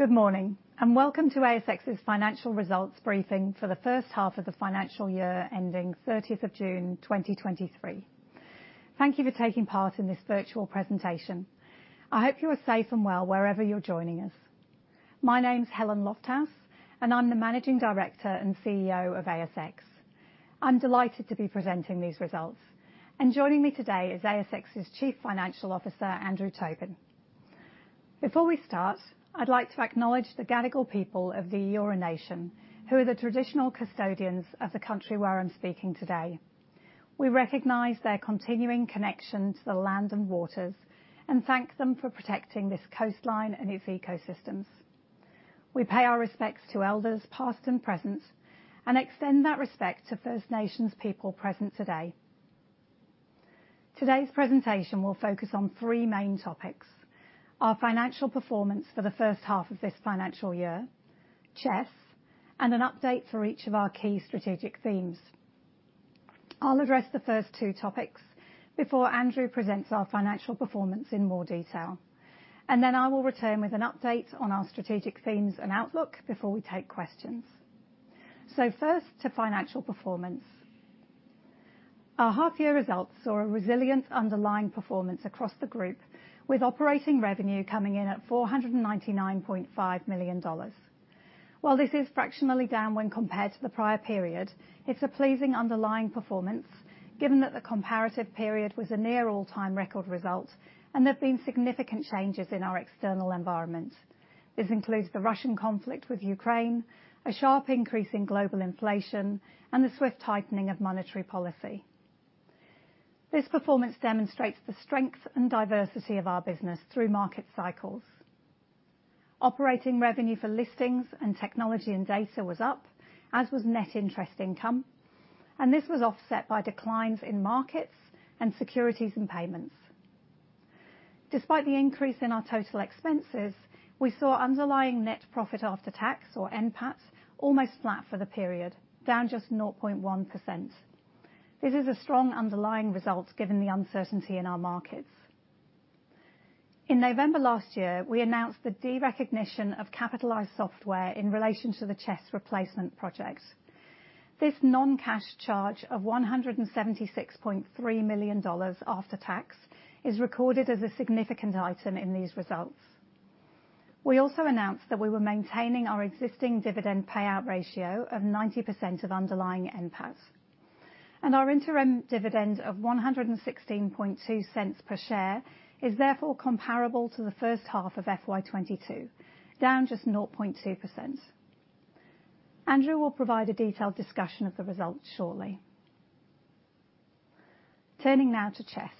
Good morning and welcome to ASX's financial results briefing for the first half of the financial year ending 30th of June, 2023. Thank you for taking part in this virtual presentation. I hope you are safe and well wherever you're joining us. My name's Helen Lofthouse, and I'm the Managing Director and CEO of ASX. I'm delighted to be presenting these results, and joining me today is ASX's Chief Financial Officer, Andrew Tobin. Before we start, I'd like to acknowledge the Gadigal people of the Eora Nation, who are the traditional custodians of the country where I'm speaking today. We recognize their continuing connection to the land and waters and thank them for protecting this coastline and its ecosystems. We pay our respects to elders, past and present, and extend that respect to First Nations people present today. Today's presentation will focus on three main topics. Our financial performance for the first half of this financial year, CHESS, and an update for each of our key strategic themes. I'll address the first two topics before Andrew presents our financial performance in more detail, then I will return with an update on our strategic themes and outlook before we take questions. First, to financial performance. Our half-year results saw a resilient underlying performance across the group with operating revenue coming in at 499.5 million dollars. While this is fractionally down when compared to the prior period, it's a pleasing underlying performance given that the comparative period was a near all-time record result and there've been significant changes in our external environment. This includes the Russian conflict with Ukraine, a sharp increase in global inflation, and the swift tightening of monetary policy. This performance demonstrates the strength and diversity of our business through market cycles. Operating revenue for listings and technology and data was up, as was net interest income. This was offset by declines in markets and securities and payments. Despite the increase in our total expenses, we saw underlying net profit after tax, or NPAT, almost flat for the period, down just 0.1%. This is a strong underlying result given the uncertainty in our markets. In November last year, we announced the derecognition of capitalized software in relation to the CHESS Replacement project. This non-cash charge of 176.3 million dollars after tax is recorded as a significant item in these results. We also announced that we were maintaining our existing dividend payout ratio of 90% of underlying NPAT. Our interim dividend of 1.162 per share is therefore comparable to the first half of FY 2022, down just 0.2%. Andrew will provide a detailed discussion of the results shortly. Turning now to CHESS.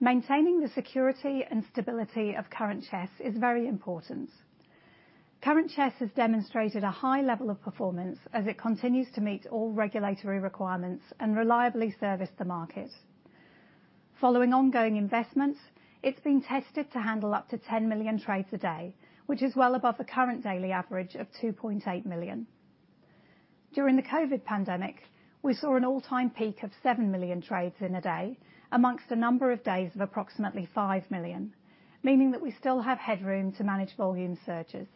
Maintaining the security and stability of current CHESS is very important. Current CHESS has demonstrated a high level of performance as it continues to meet all regulatory requirements and reliably service the market. Following ongoing investments, it's been tested to handle up to 10 million trades a day, which is well above the current daily average of 2.8 million. During the COVID pandemic, we saw an all-time peak of 7 million trades in a day amongst a number of days of approximately 5 million, meaning that we still have headroom to manage volume surges.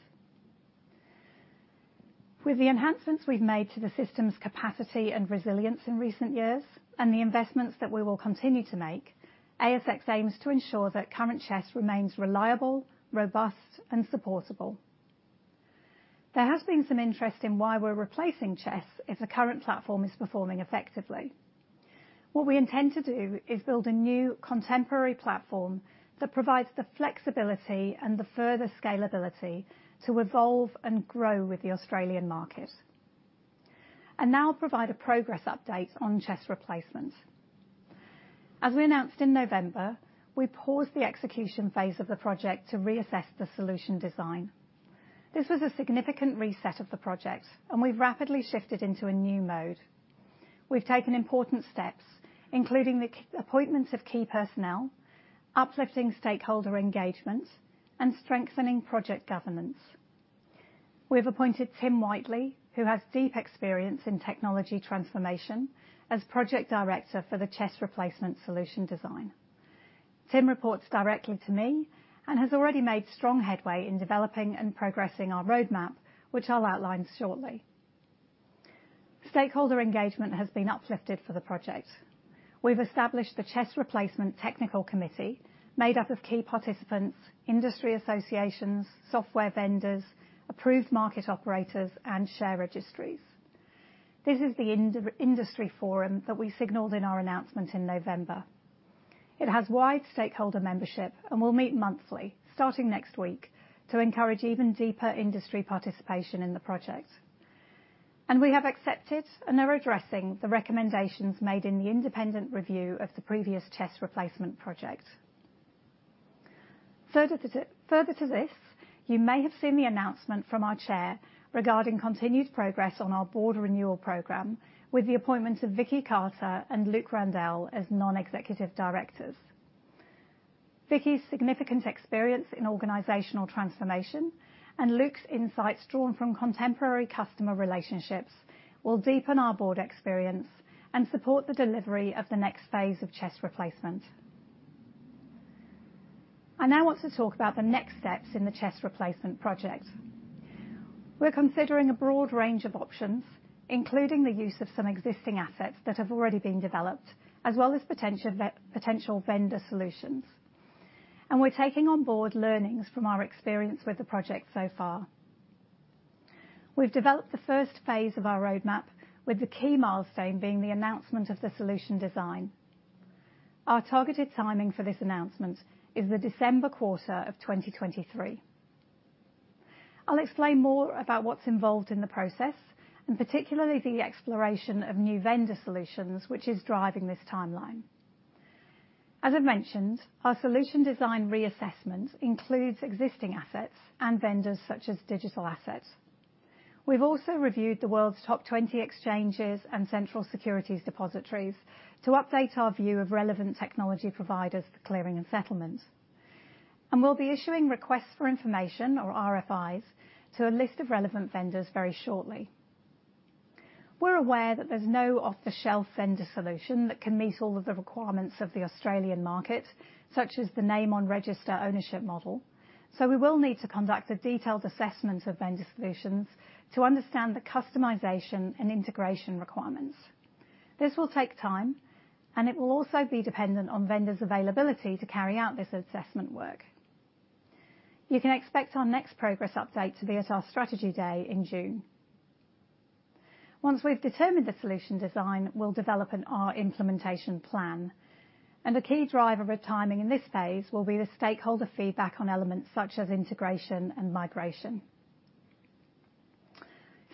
With the enhancements we've made to the system's capacity and resilience in recent years and the investments that we will continue to make, ASX aims to ensure that current CHESS remains reliable, robust, and supportable. There has been some interest in why we're replacing CHESS if the current platform is performing effectively. What we intend to do is build a new contemporary platform that provides the flexibility and the further scalability to evolve and grow with the Australian market. I now provide a progress update on CHESS replacement. As we announced in November, we paused the execution phase of the project to reassess the solution design. This was a significant reset of the project, and we've rapidly shifted into a new mode. We've taken important steps, including the appointments of key personnel, uplifting stakeholder engagement, and strengthening project governance. We've appointed Tim Whiteley, who has deep experience in technology transformation, as Project Director for the CHESS Replacement Solution Design. Tim reports directly to me and has already made strong headway in developing and progressing our roadmap, which I'll outline shortly. Stakeholder engagement has been uplifted for the project. We've established the CHESS Replacement Technical Committee made up of key participants, industry associations, software vendors, approved market operators, and share registries. This is the industry forum that we signaled in our announcement in November. It has wide stakeholder membership and will meet monthly, starting next week, to encourage even deeper industry participation in the project. We have accepted and are addressing the recommendations made in the independent review of the previous CHESS replacement project. Further to this, you may have seen the announcement from our chair regarding continued progress on our board renewal program with the appointment of Vicki Carter and Luke Randell as non-executive directors. Vicki's significant experience in organizational transformation and Luke's insights drawn from contemporary customer relationships will deepen our board experience and support the delivery of the next phase of CHESS replacement. I now want to talk about the next steps in the CHESS replacement project. We're considering a broad range of options, including the use of some existing assets that have already been developed, as well as potential vendor solutions. We're taking on board learnings from our experience with the project so far. We've developed the first phase of our roadmap with the key milestone being the announcement of the solution design. Our targeted timing for this announcement is the December quarter of 2023. I'll explain more about what's involved in the process, and particularly the exploration of new vendor solutions which is driving this timeline. As I've mentioned, our solution design reassessment includes existing assets and vendors such as Digital Asset. We've also reviewed the world's top 20 exchanges and central securities depositories to update our view of relevant technology providers for clearing and settlement. We'll be issuing requests for information or RFIs to a list of relevant vendors very shortly. We're aware that there's no off-the-shelf vendor solution that can meet all of the requirements of the Australian market, such as the name on register ownership model. We will need to conduct a detailed assessment of vendor solutions to understand the customization and integration requirements. This will take time, and it will also be dependent on vendors' availability to carry out this assessment work. You can expect our next progress update to be at our strategy day in June. Once we've determined the solution design, we'll develop an R implementation plan, a key driver of timing in this phase will be the stakeholder feedback on elements such as integration and migration.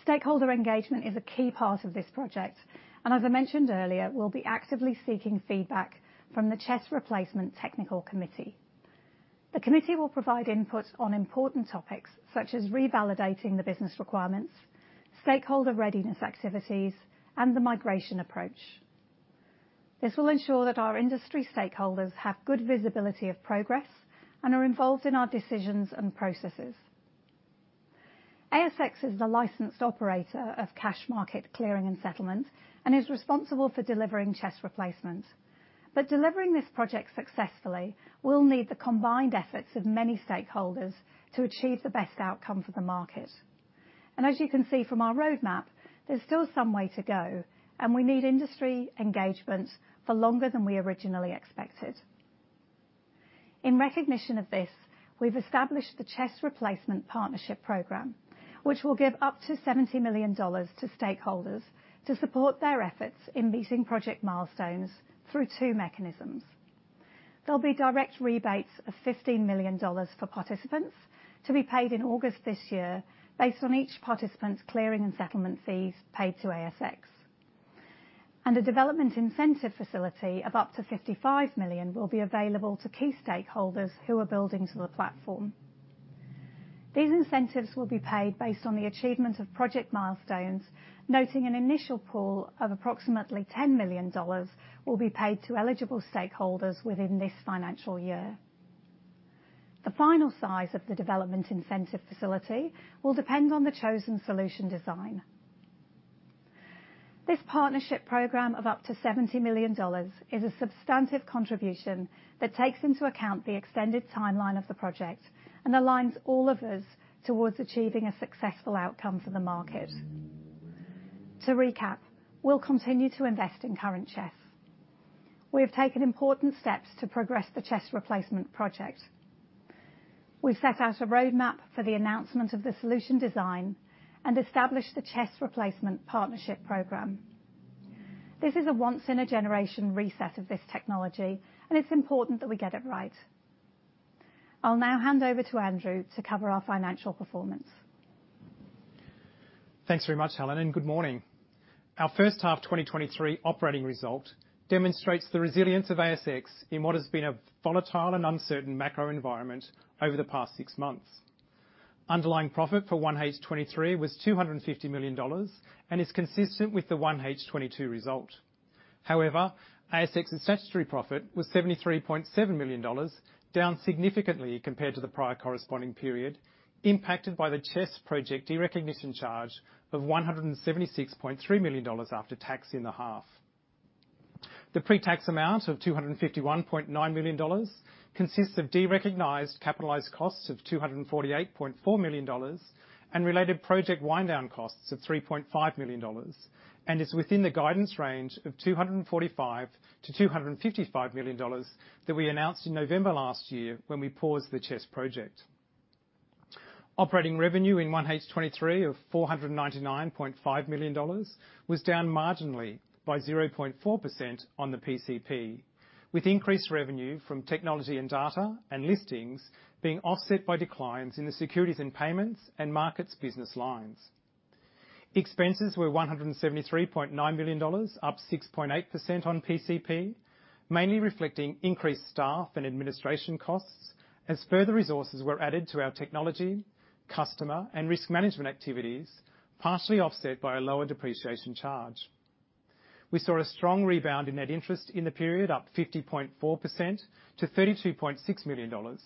Stakeholder engagement is a key part of this project, as I mentioned earlier, we'll be actively seeking feedback from the CHESS Replacement Technical Committee. The committee will provide input on important topics, such as revalidating the business requirements, stakeholder readiness activities, and the migration approach. This will ensure that our industry stakeholders have good visibility of progress and are involved in our decisions and processes. ASX is the licensed operator of cash market clearing and settlement and is responsible for delivering CHESS Replacement. Delivering this project successfully will need the combined efforts of many stakeholders to achieve the best outcome for the market. As you can see from our roadmap, there's still some way to go, and we need industry engagement for longer than we originally expected. In recognition of this, we've established the CHESS Replacement Partnership Program, which will give up to 70 million dollars to stakeholders to support their efforts in meeting project milestones through two mechanisms. There'll be direct rebates of 15 million dollars for participants to be paid in August this year based on each participant's clearing and settlement fees paid to ASX. A development incentive facility of up to 55 million will be available to key stakeholders who are building to the platform. These incentives will be paid based on the achievement of project milestones, noting an initial pool of approximately 10 million dollars will be paid to eligible stakeholders within this financial year. The final size of the development incentive facility will depend on the chosen solution design. This partnership program of up to 70 million dollars is a substantive contribution that takes into account the extended timeline of the project and aligns all of us towards achieving a successful outcome for the market. To recap, we'll continue to invest in current CHESS. We have taken important steps to progress the CHESS Replacement Project. We've set out a roadmap for the announcement of the solution design and established the CHESS Replacement Partnership Program. This is a once-in-a-generation reset of this technology, and it's important that we get it right. I'll now hand over to Andrew to cover our financial performance. Thanks very much Helen good morning our first half 2023 operating result demonstrates the resilience of ASX in what has been a volatile and uncertain macro environment over the past six months. Underlying profit for 1H 2023 was 250 million dollars and is consistent with the 1H 2022 result. However, ASX's statutory profit was 73.7 million dollars, down significantly compared to the prior corresponding period, impacted by the CHESS project derecognition charge of 176.3 million dollars after tax in the half. The pre-tax amount of 251.9 million dollars consists of derecognized capitalized costs of 248.4 million dollars and related project wind-down costs of 3.5 million dollars and is within the guidance range of 245 million-255 million dollars that we announced in November 2022 when we paused the CHESS project. Operating revenue in 1H 2023 of 499.5 million dollars was down marginally by 0.4% on the PCP, with increased revenue from technology and data and listings being offset by declines in the securities and payments and markets business lines. Expenses were 173.9 million dollars, up 6.8% on PCP, mainly reflecting increased staff and administration costs as further resources were added to our technology, customer, and risk management activities, partially offset by a lower depreciation charge. We saw a strong rebound in net interest in the period, up 50.4% to 32.6 million dollars,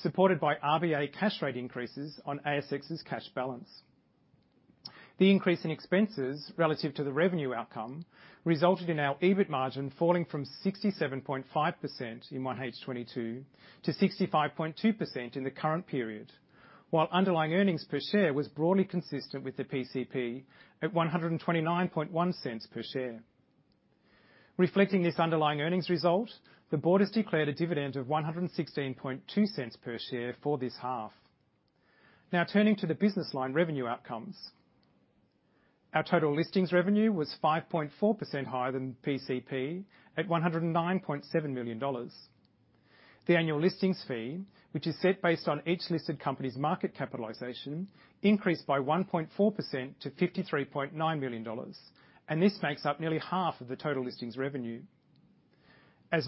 supported by RBA cash rate increases on ASX's cash balance. The increase in expenses relative to the revenue outcome resulted in our EBIT margin falling from 67.5% in 1H 2022 to 65.2% in the current period. While underlying earnings per share was broadly consistent with the PCP at 1.291 per share. Reflecting this underlying earnings result, the board has declared a dividend of 1.162 per share for this half. Turning to the business line revenue outcomes. Our total listings revenue was 5.4% higher than PCP at 109.7 million dollars. The annual listings fee, which is set based on each listed company's market capitalization, increased by 1.4% to 53.9 million dollars, and this makes up nearly half of the total listings revenue.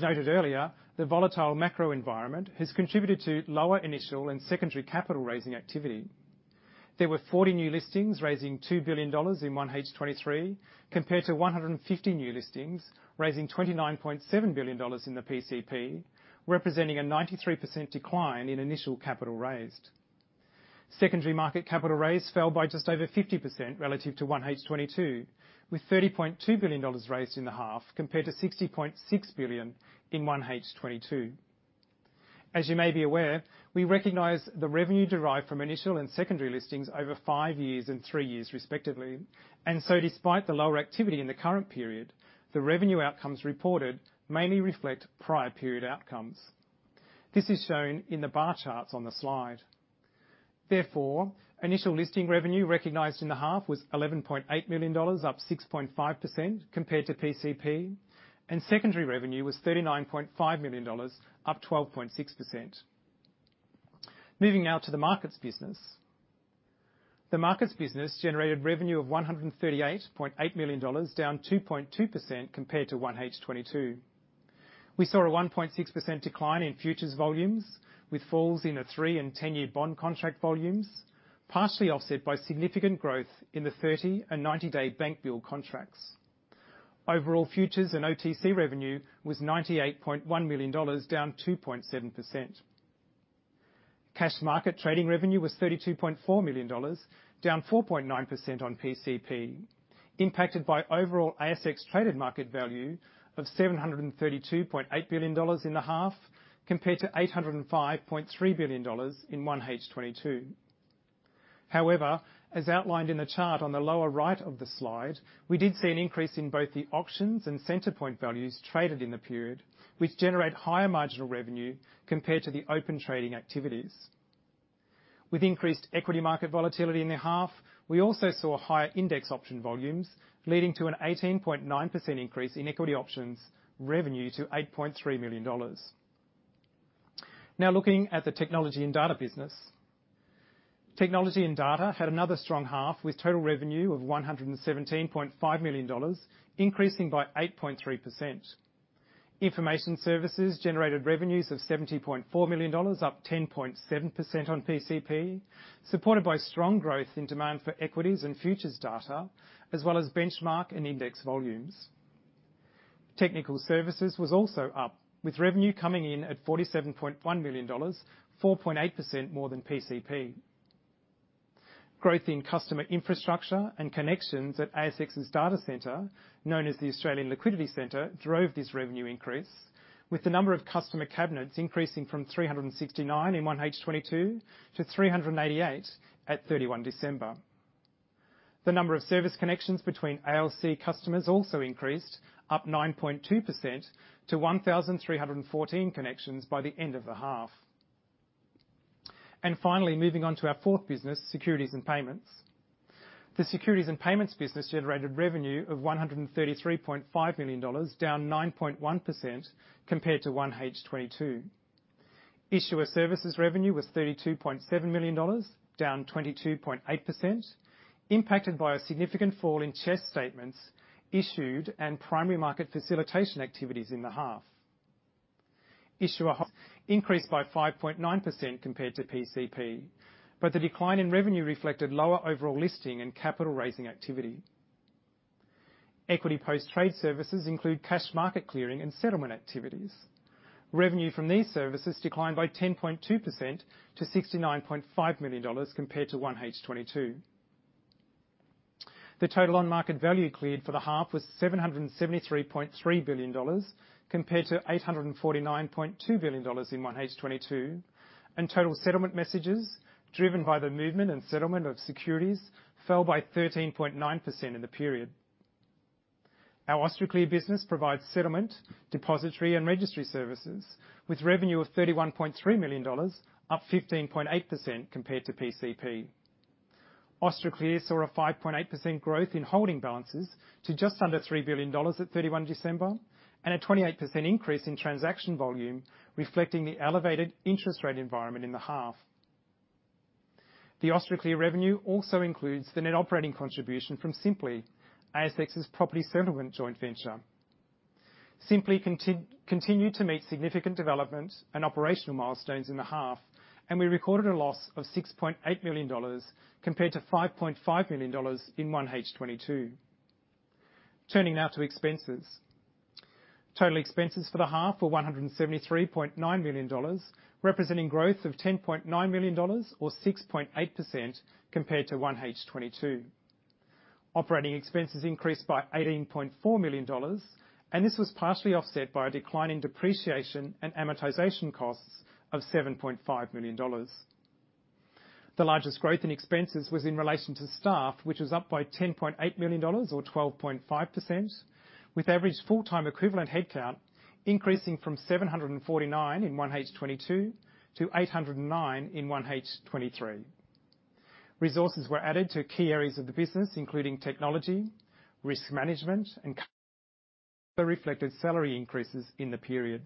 Noted earlier, the volatile macro environment has contributed to lower initial and secondary capital raising activity. There were 40 new listings raising 2 billion dollars in 1H 2023, compared to 150 new listings, raising 29.7 billion dollars in the PCP, representing a 93% decline in initial capital raised. Secondary market capital raise fell by just over 50% relative to 1H 2022, with 30.2 billion dollars raised in the half compared to 60.6 billion in 1H 2022. As you may be aware, we recognize the revenue derived from initial and secondary listings over five years and three years respectively. Despite the lower activity in the current period, the revenue outcomes reported mainly reflect prior period outcomes. This is shown in the bar charts on the slide. Therefore, initial listing revenue recognized in the half was 11.8 million dollars, up 6.5% compared to PCP, and secondary revenue was 39.5 million dollars, up 12.6%. Moving now to the markets business. The markets business generated revenue of 138.8 million dollars, down 2.2% compared to 1H 2022. We saw a 1.6% decline in futures volumes, with falls in the three and 10-year bond contract volumes, partially offset by significant growth in the 30 and 90-day bank bill contracts. Overall, futures and OTC revenue was 98.1 million dollars, down 2.7%. Cash market trading revenue was 32.4 million dollars, down 4.9% on PCP, impacted by overall ASX traded market value of 732.8 billion dollars in the half compared to 805.3 billion dollars in 1H 2022. As outlined in the chart on the lower right of the slide, we did see an increase in both the options and Centre Point values traded in the period, which generate higher marginal revenue compared to the open trading activities. With increased equity market volatility in the half, we also saw higher index option volumes, leading to an 18.9% increase in equity options revenue to 8.3 million dollars. Looking at the technology and data business. Technology and data had another strong half with total revenue of 117.5 million dollars, increasing by 8.3%. Information services generated revenues of 70.4 million dollars, up 10.7% on PCP, supported by strong growth in demand for equities and futures data, as well as benchmark and index volumes. Technical services was also up, with revenue coming in at 47.1 million dollars, 4.8% more than PCP. Growth in customer infrastructure and connections at ASX's data center, known as the Australian Liquidity Centre, drove this revenue increase, with the number of customer cabinets increasing from 369 in 1H 2022 to 388 at 31 December. The number of service connections between ALC customers also increased, up 9.2% to 1,314 connections by the end of the half. Finally, moving on to our fourth business, securities and payments. The securities and payments business generated revenue of 133.5 million dollars, down 9.1% compared to 1H 2022. Issuer services revenue was 32.7 million dollars, down 22.8%, impacted by a significant fall in CHESS statements issued and primary market facilitation activities in the half. Issuer increased by 5.9% compared to PCP, the decline in revenue reflected lower overall listing and capital raising activity. Equity post-trade services include cash market clearing and settlement activities. Revenue from these services declined by 10.2% to $69.5 million compared to 1H 2022. The total on-market value cleared for the half was $773.3 billion, compared to $849.2 billion in 1H 2022. Total settlement messages, driven by the movement and settlement of securities, fell by 13.9% in the period. Our Austraclear business provides settlement, depository, and registry services with revenue of $31.3 million, up 15.8% compared to PCP. Austraclear saw a 5.8% growth in holding balances to just under 3 billion dollars at December 31, a 28% increase in transaction volume, reflecting the elevated interest rate environment in the half. Austraclear revenue also includes the net operating contribution from Sympli, ASX's property settlement joint venture. Sympli continue to meet significant development and operational milestones in the half, we recorded a loss of 6.8 million dollars compared to 5.5 million dollars in 1H 2022. Turning now to expenses. Total expenses for the half were 173.9 million dollars, representing growth of 10.9 million dollars or 6.8% compared to 1H 2022. Operating expenses increased by 18.9 million dollars, this was partially offset by a decline in depreciation and amortization costs of 7.5 million dollars. The largest growth in expenses was in relation to staff, which was up by 10.8 million dollars or 12.5%, with average full-time equivalent headcount increasing from 749 in 1H 2022 to 809 in 1H 2023. Resources were added to key areas of the business, including technology, risk management, and that reflected salary increases in the period.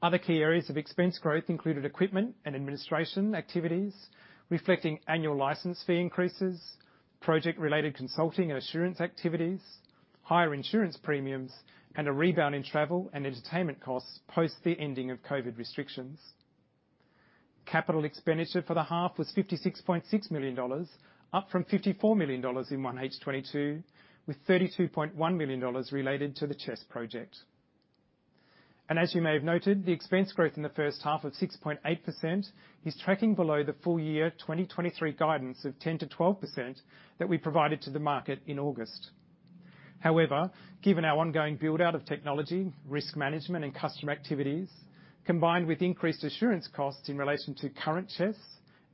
Other key areas of expense growth included equipment and administration activities, reflecting annual license fee increases, project-related consulting and assurance activities, higher insurance premiums, and a rebound in travel and entertainment costs post the ending of COVID restrictions. Capital expenditure for the half was 56.6 million dollars, up from 54 million dollars in 1H 2022, with 32.1 million dollars related to the CHESS project. As you may have noted, the expense growth in the first half of 6.8% is tracking below the full year 2023 guidance of 10%-12% that we provided to the market in August. However, given our ongoing build-out of technology, risk management, and customer activities, combined with increased assurance costs in relation to current CHESS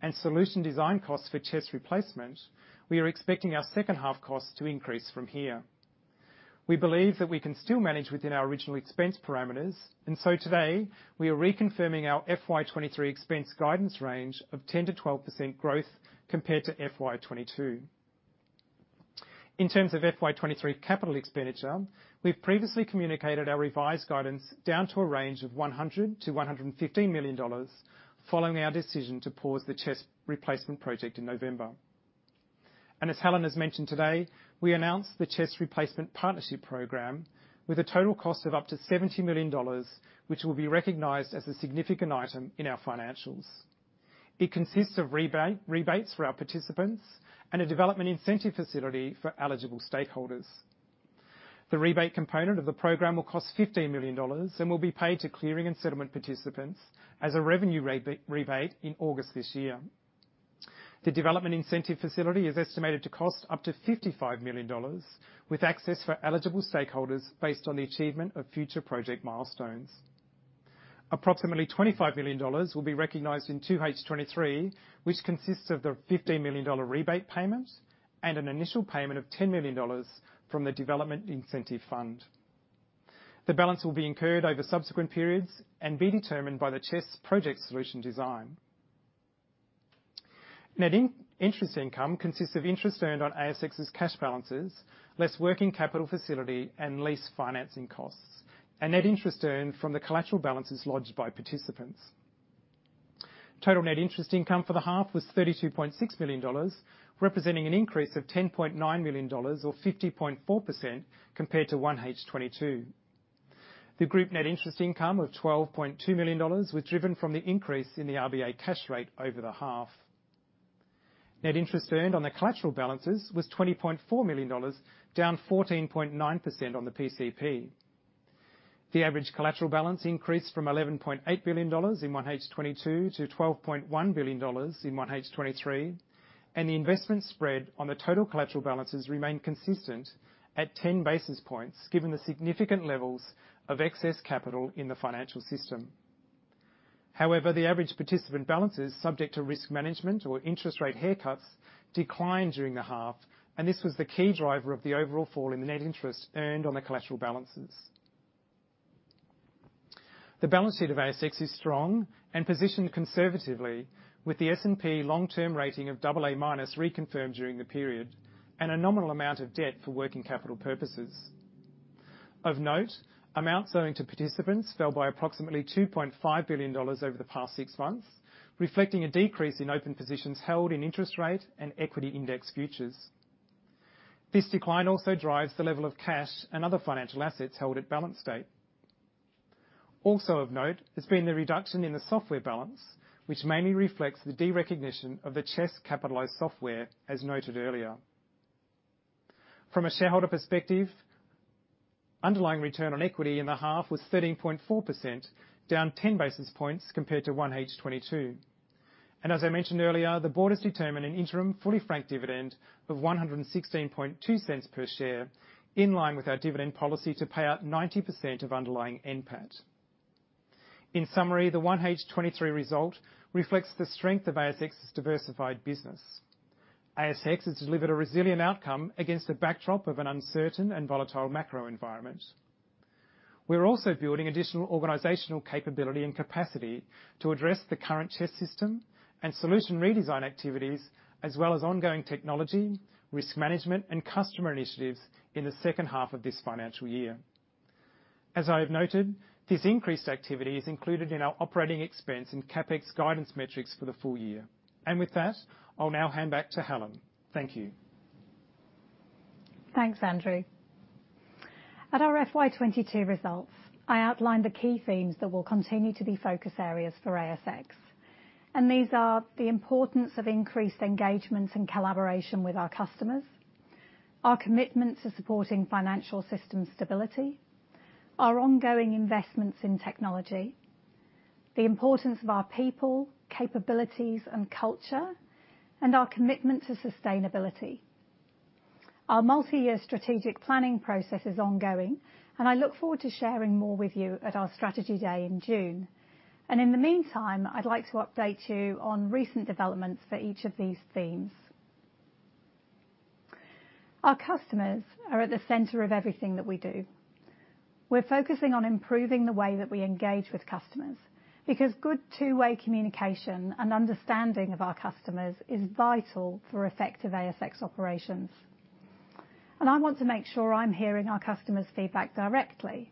and solution design costs for CHESS replacement, we are expecting our second half costs to increase from here. We believe that we can still manage within our original expense parameters, today, we are reconfirming our FY 2023 expense guidance range of 10%-12% growth compared to FY 2022. In terms of FY 2023 CapEx, we've previously communicated our revised guidance down to a range of 100 million-115 million dollars following our decision to pause the CHESS replacement project in November. As Helen has mentioned today, we announced the CHESS Replacement Partnership Program with a total cost of up to 70 million dollars, which will be recognized as a significant item in our financials. It consists of rebates for our participants and a development incentive facility for eligible stakeholders. The rebate component of the program will cost 15 million dollars and will be paid to clearing and settlement participants as a revenue rebate in August this year. The development incentive facility is estimated to cost up to 55 million dollars, with access for eligible stakeholders based on the achievement of future project milestones. Approximately 25 million dollars will be recognized in 2H 2023, which consists of the 15 million dollar rebate payments and an initial payment of 10 million dollars from the development incentive fund. The balance will be incurred over subsequent periods and be determined by the CHESS project solution design. Net interest income consists of interest earned on ASX's cash balances, less working capital facility and lease financing costs, and net interest earned from the collateral balances lodged by participants. Total net interest income for the half was AUD 32.6 million, representing an increase of AUD 10.9 million or 50.4% compared to 1H 2022. The group net interest income of 12.2 million dollars was driven from the increase in the RBA cash rate over the half. Net interest earned on the collateral balances was 20.4 million dollars, down 14.9% on the PCP. The average collateral balance increased from 11.8 billion dollars in 1H 2022 to 12.1 billion dollars in 1H 2023, and the investment spread on the total collateral balances remained consistent at 10 basis points, given the significant levels of excess capital in the financial system. The average participant balance is subject to risk management or interest rate haircuts declined during the half, and this was the key driver of the overall fall in the net interest earned on the collateral balances. The balance sheet of ASX is strong and positioned conservatively with the S&P long-term rating of AA- reconfirmed during the period and a nominal amount of debt for working capital purposes. Of note, amounts owing to participants fell by approximately 2.5 billion dollars over the past six months, reflecting a decrease in open positions held in interest rate and equity index futures. This decline also drives the level of cash and other financial assets held at balance date. Also of note has been the reduction in the software balance, which mainly reflects the derecognition of the CHESS capitalized software, as noted earlier. From a shareholder perspective, underlying return on equity in the half was 13.4%, down 10 basis points compared to 1H 2022. As I mentioned earlier, the board has determined an interim fully franked dividend of 1.162 per share, in line with our dividend policy to pay out 90% of underlying NPAT. In summary, the 1H 2023 result reflects the strength of ASX's diversified business. ASX has delivered a resilient outcome against a backdrop of an uncertain and volatile macro environment. We're also building additional organizational capability and capacity to address the current CHESS system and solution redesign activities, as well as ongoing technology, risk management, and customer initiatives in the second half of this financial year. As I have noted, this increased activity is included in our operating expense and CapEx guidance metrics for the full year. With that, I'll now hand back to Helen. Thank you. Thanks Andrew. At our FY 2022 results, I outlined the key themes that will continue to be focus areas for ASX. These are the importance of increased engagement and collaboration with our customers, our commitment to supporting financial system stability, our ongoing investments in technology, the importance of our people, capabilities, and culture, and our commitment to sustainability. Our multi-year strategic planning process is ongoing, I look forward to sharing more with you at our strategy day in June. In the meantime, I'd like to update you on recent developments for each of these themes. Our customers are at the center of everything that we do. We're focusing on improving the way that we engage with customers, because good two-way communication and understanding of our customers is vital for effective ASX operations. I want to make sure I'm hearing our customers' feedback directly.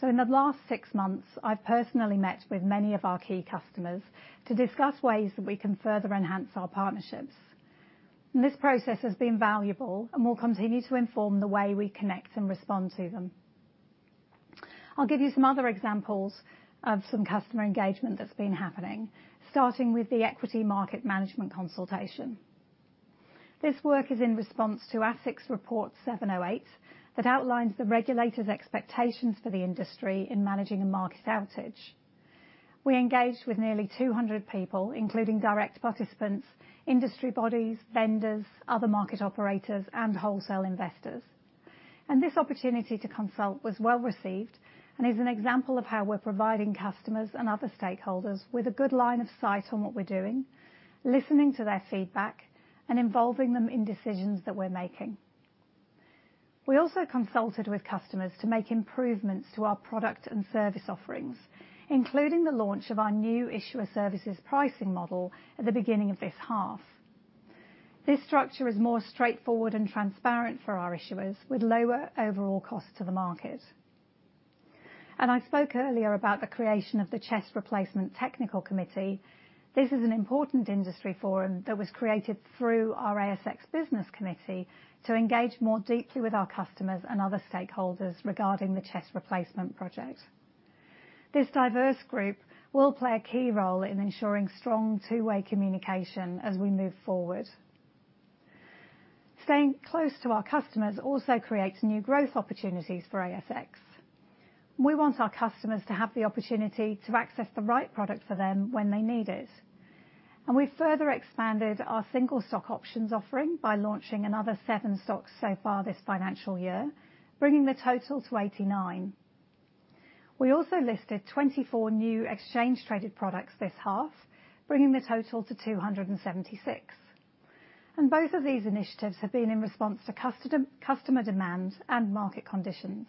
In the last six months, I've personally met with many of our key customers to discuss ways that we can further enhance our partnerships. This process has been valuable and will continue to inform the way we connect and respond to them. I'll give you some other examples of some customer engagement that's been happening, starting with the equity market management consultation. This work is in response to ASX Report 708 that outlines the regulator's expectations for the industry in managing a market outage. We engaged with nearly 200 people, including direct participants, industry bodies, vendors, other market operators, and wholesale investors. This opportunity to consult was well-received and is an example of how we're providing customers and other stakeholders with a good line of sight on what we're doing, listening to their feedback, and involving them in decisions that we're making. We also consulted with customers to make improvements to our product and service offerings, including the launch of our new issuer services pricing model at the beginning of this half. This structure is more straightforward and transparent for our issuers, with lower overall cost to the market. I spoke earlier about the creation of the CHESS Replacement Technical Committee. This is an important industry forum that was created through our ASX Business Committee to engage more deeply with our customers and other stakeholders regarding the CHESS Replacement project. This diverse group will play a key role in ensuring strong two-way communication as we move forward. Staying close to our customers also creates new growth opportunities for ASX. We want our customers to have the opportunity to access the right product for them when they need it. We've further expanded our single stock options offering by launching another seven stocks so far this financial year, bringing the total to 89. We also listed 24 new exchange-traded products this half, bringing the total to 276. Both of these initiatives have been in response to customer demands and market conditions.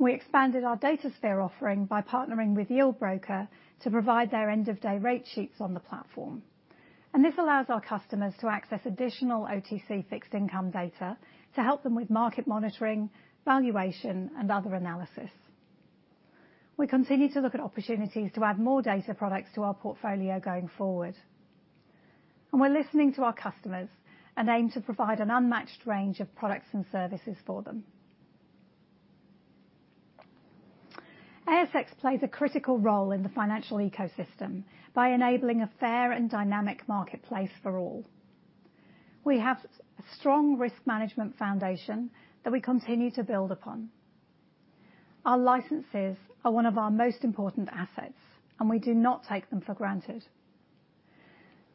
We expanded our ASX DataSphere offering by partnering with Yieldbroker to provide their end-of-day rate sheets on the platform. This allows our customers to access additional OTC fixed income data to help them with market monitoring, valuation, and other analysis. We continue to look at opportunities to add more data products to our portfolio going forward. We're listening to our customers and aim to provide an unmatched range of products and services for them. ASX plays a critical role in the financial ecosystem by enabling a fair and dynamic marketplace for all. We have strong risk management foundation that we continue to build upon. Our licenses are one of our most important assets, and we do not take them for granted.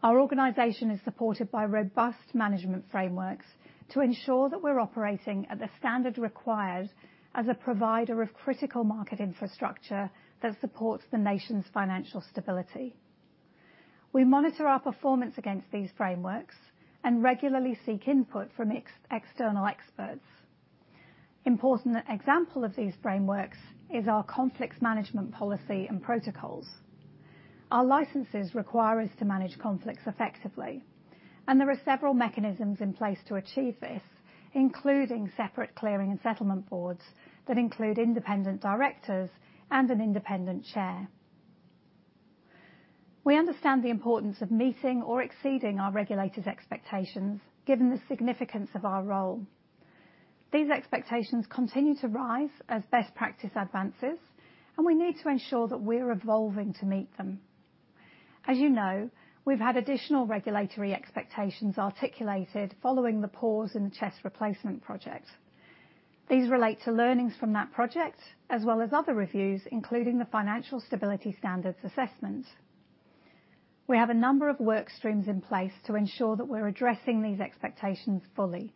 Our organization is supported by robust management frameworks to ensure that we're operating at the standard required as a provider of critical market infrastructure that supports the nation's financial stability. We monitor our performance against these frameworks and regularly seek input from external experts. Important example of these frameworks is our conflicts management policy and protocols. Our licenses require us to manage conflicts effectively, and there are several mechanisms in place to achieve this, including separate clearing and settlement boards that include independent directors and an independent chair. We understand the importance of meeting or exceeding our regulators' expectations, given the significance of our role. These expectations continue to rise as best practice advances, and we need to ensure that we're evolving to meet them. As you know, we've had additional regulatory expectations articulated following the pause in the CHESS Replacement project. These relate to learnings from that project, as well as other reviews, including the Financial Stability Standards Assessment. We have a number of work streams in place to ensure that we're addressing these expectations fully.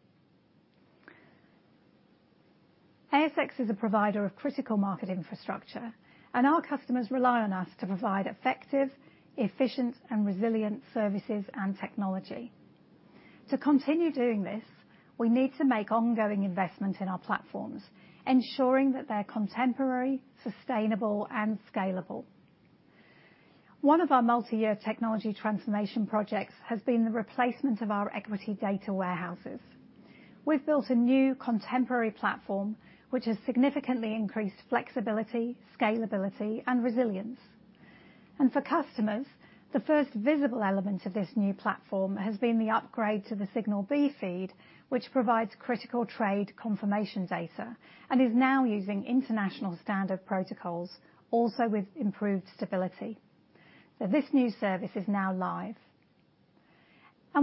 ASX is a provider of critical market infrastructure, and our customers rely on us to provide effective, efficient, and resilient services and technology. To continue doing this, we need to make ongoing investment in our platforms, ensuring that they're contemporary, sustainable, and scalable. One of our multi-year technology transformation projects has been the replacement of our equity data warehouses. We've built a new contemporary platform, which has significantly increased flexibility, scalability, and resilience. For customers, the first visible element of this new platform has been the upgrade to the Signal B feed, which provides critical trade confirmation data and is now using international standard protocols also with improved stability. This new service is now live.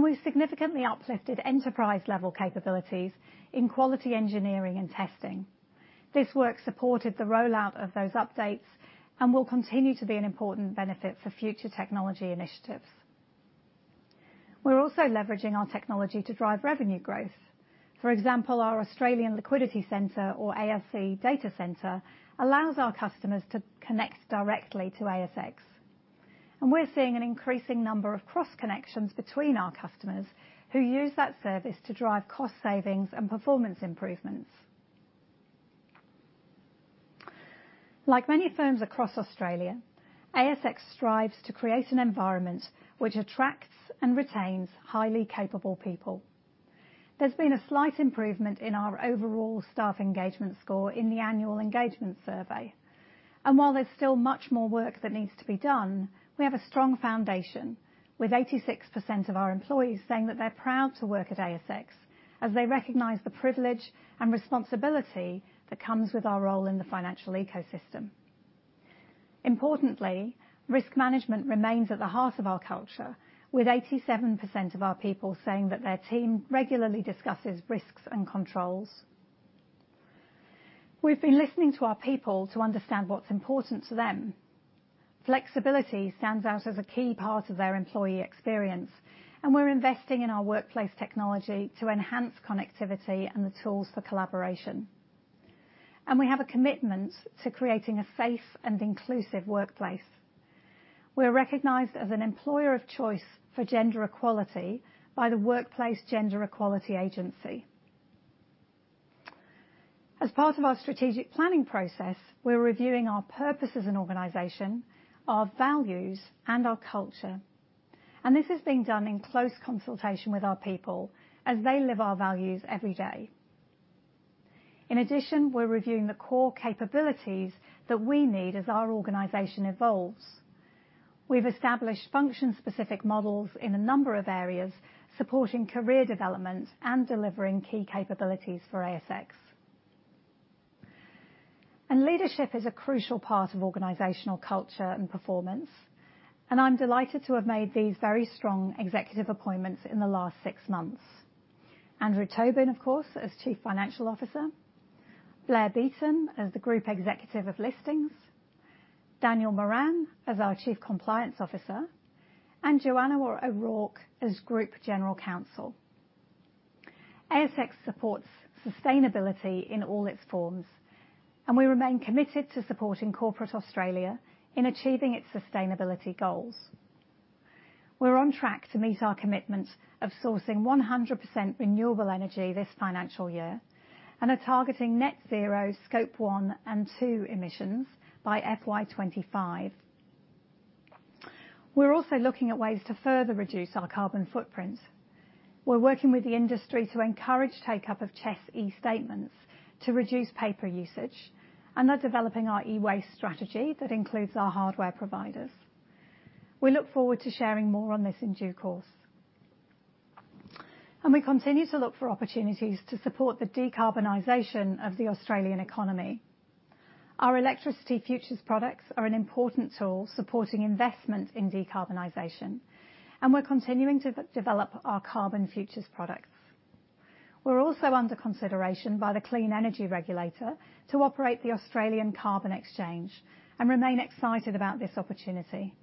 We've significantly uplifted enterprise-level capabilities in quality engineering and testing. This work supported the rollout of those updates and will continue to be an important benefit for future technology initiatives. We're also leveraging our technology to drive revenue growth. For example, our Australian Liquidity Centre, or ALC Data Center, allows our customers to connect directly to ASX. We're seeing an increasing number of cross connections between our customers who use that service to drive cost savings and performance improvements. Like many firms across Australia, ASX strives to create an environment which attracts and retains highly capable people. There's been a slight improvement in our overall staff engagement score in the annual engagement survey. While there's still much more work that needs to be done, we have a strong foundation, with 86% of our employees saying that they're proud to work at ASX, as they recognize the privilege and responsibility that comes with our role in the financial ecosystem. Importantly, risk management remains at the heart of our culture, with 87% of our people saying that their team regularly discusses risks and controls. We've been listening to our people to understand what's important to them. Flexibility stands out as a key part of their employee experience, and we're investing in our workplace technology to enhance connectivity and the tools for collaboration. We have a commitment to creating a safe and inclusive workplace. We're recognized as an employer of choice for gender equality by the Workplace Gender Equality Agency. As part of our strategic planning process, we're reviewing our purpose as an organization, our values, and our culture. This is being done in close consultation with our people as they live our values every day. In addition, we're reviewing the core capabilities that we need as our organization evolves. We've established function-specific models in a number of areas, supporting career development and delivering key capabilities for ASX. Leadership is a crucial part of organizational culture and performance, and I'm delighted to have made these very strong executive appointments in the last six months. Andrew Tobin of course as Chief Financial Officer, Blair Beaton as the Group Executive of Listings, Daniel Moran as our Chief Compliance Officer, and Johanna O'Rourke as Group General Counsel. ASX supports sustainability in all its forms, and we remain committed to supporting corporate Australia in achieving its sustainability goals. We're on track to meet our commitment of sourcing 100% renewable energy this financial year and are targeting net zero Scope 1 and 2 emissions by FY 2025. We're also looking at ways to further reduce our carbon footprint. We're working with the industry to encourage take-up of CHESS eStatements to reduce paper usage, and they're developing our e-waste strategy that includes our hardware providers. We look forward to sharing more on this in due course. We continue to look for opportunities to support the decarbonization of the Australian economy. Our electricity futures products are an important tool supporting investment in decarbonization, and we're continuing to develop our carbon futures products. We're also under consideration by the Clean Energy Regulator to operate the Australian Carbon Exchange and remain excited about this opportunity.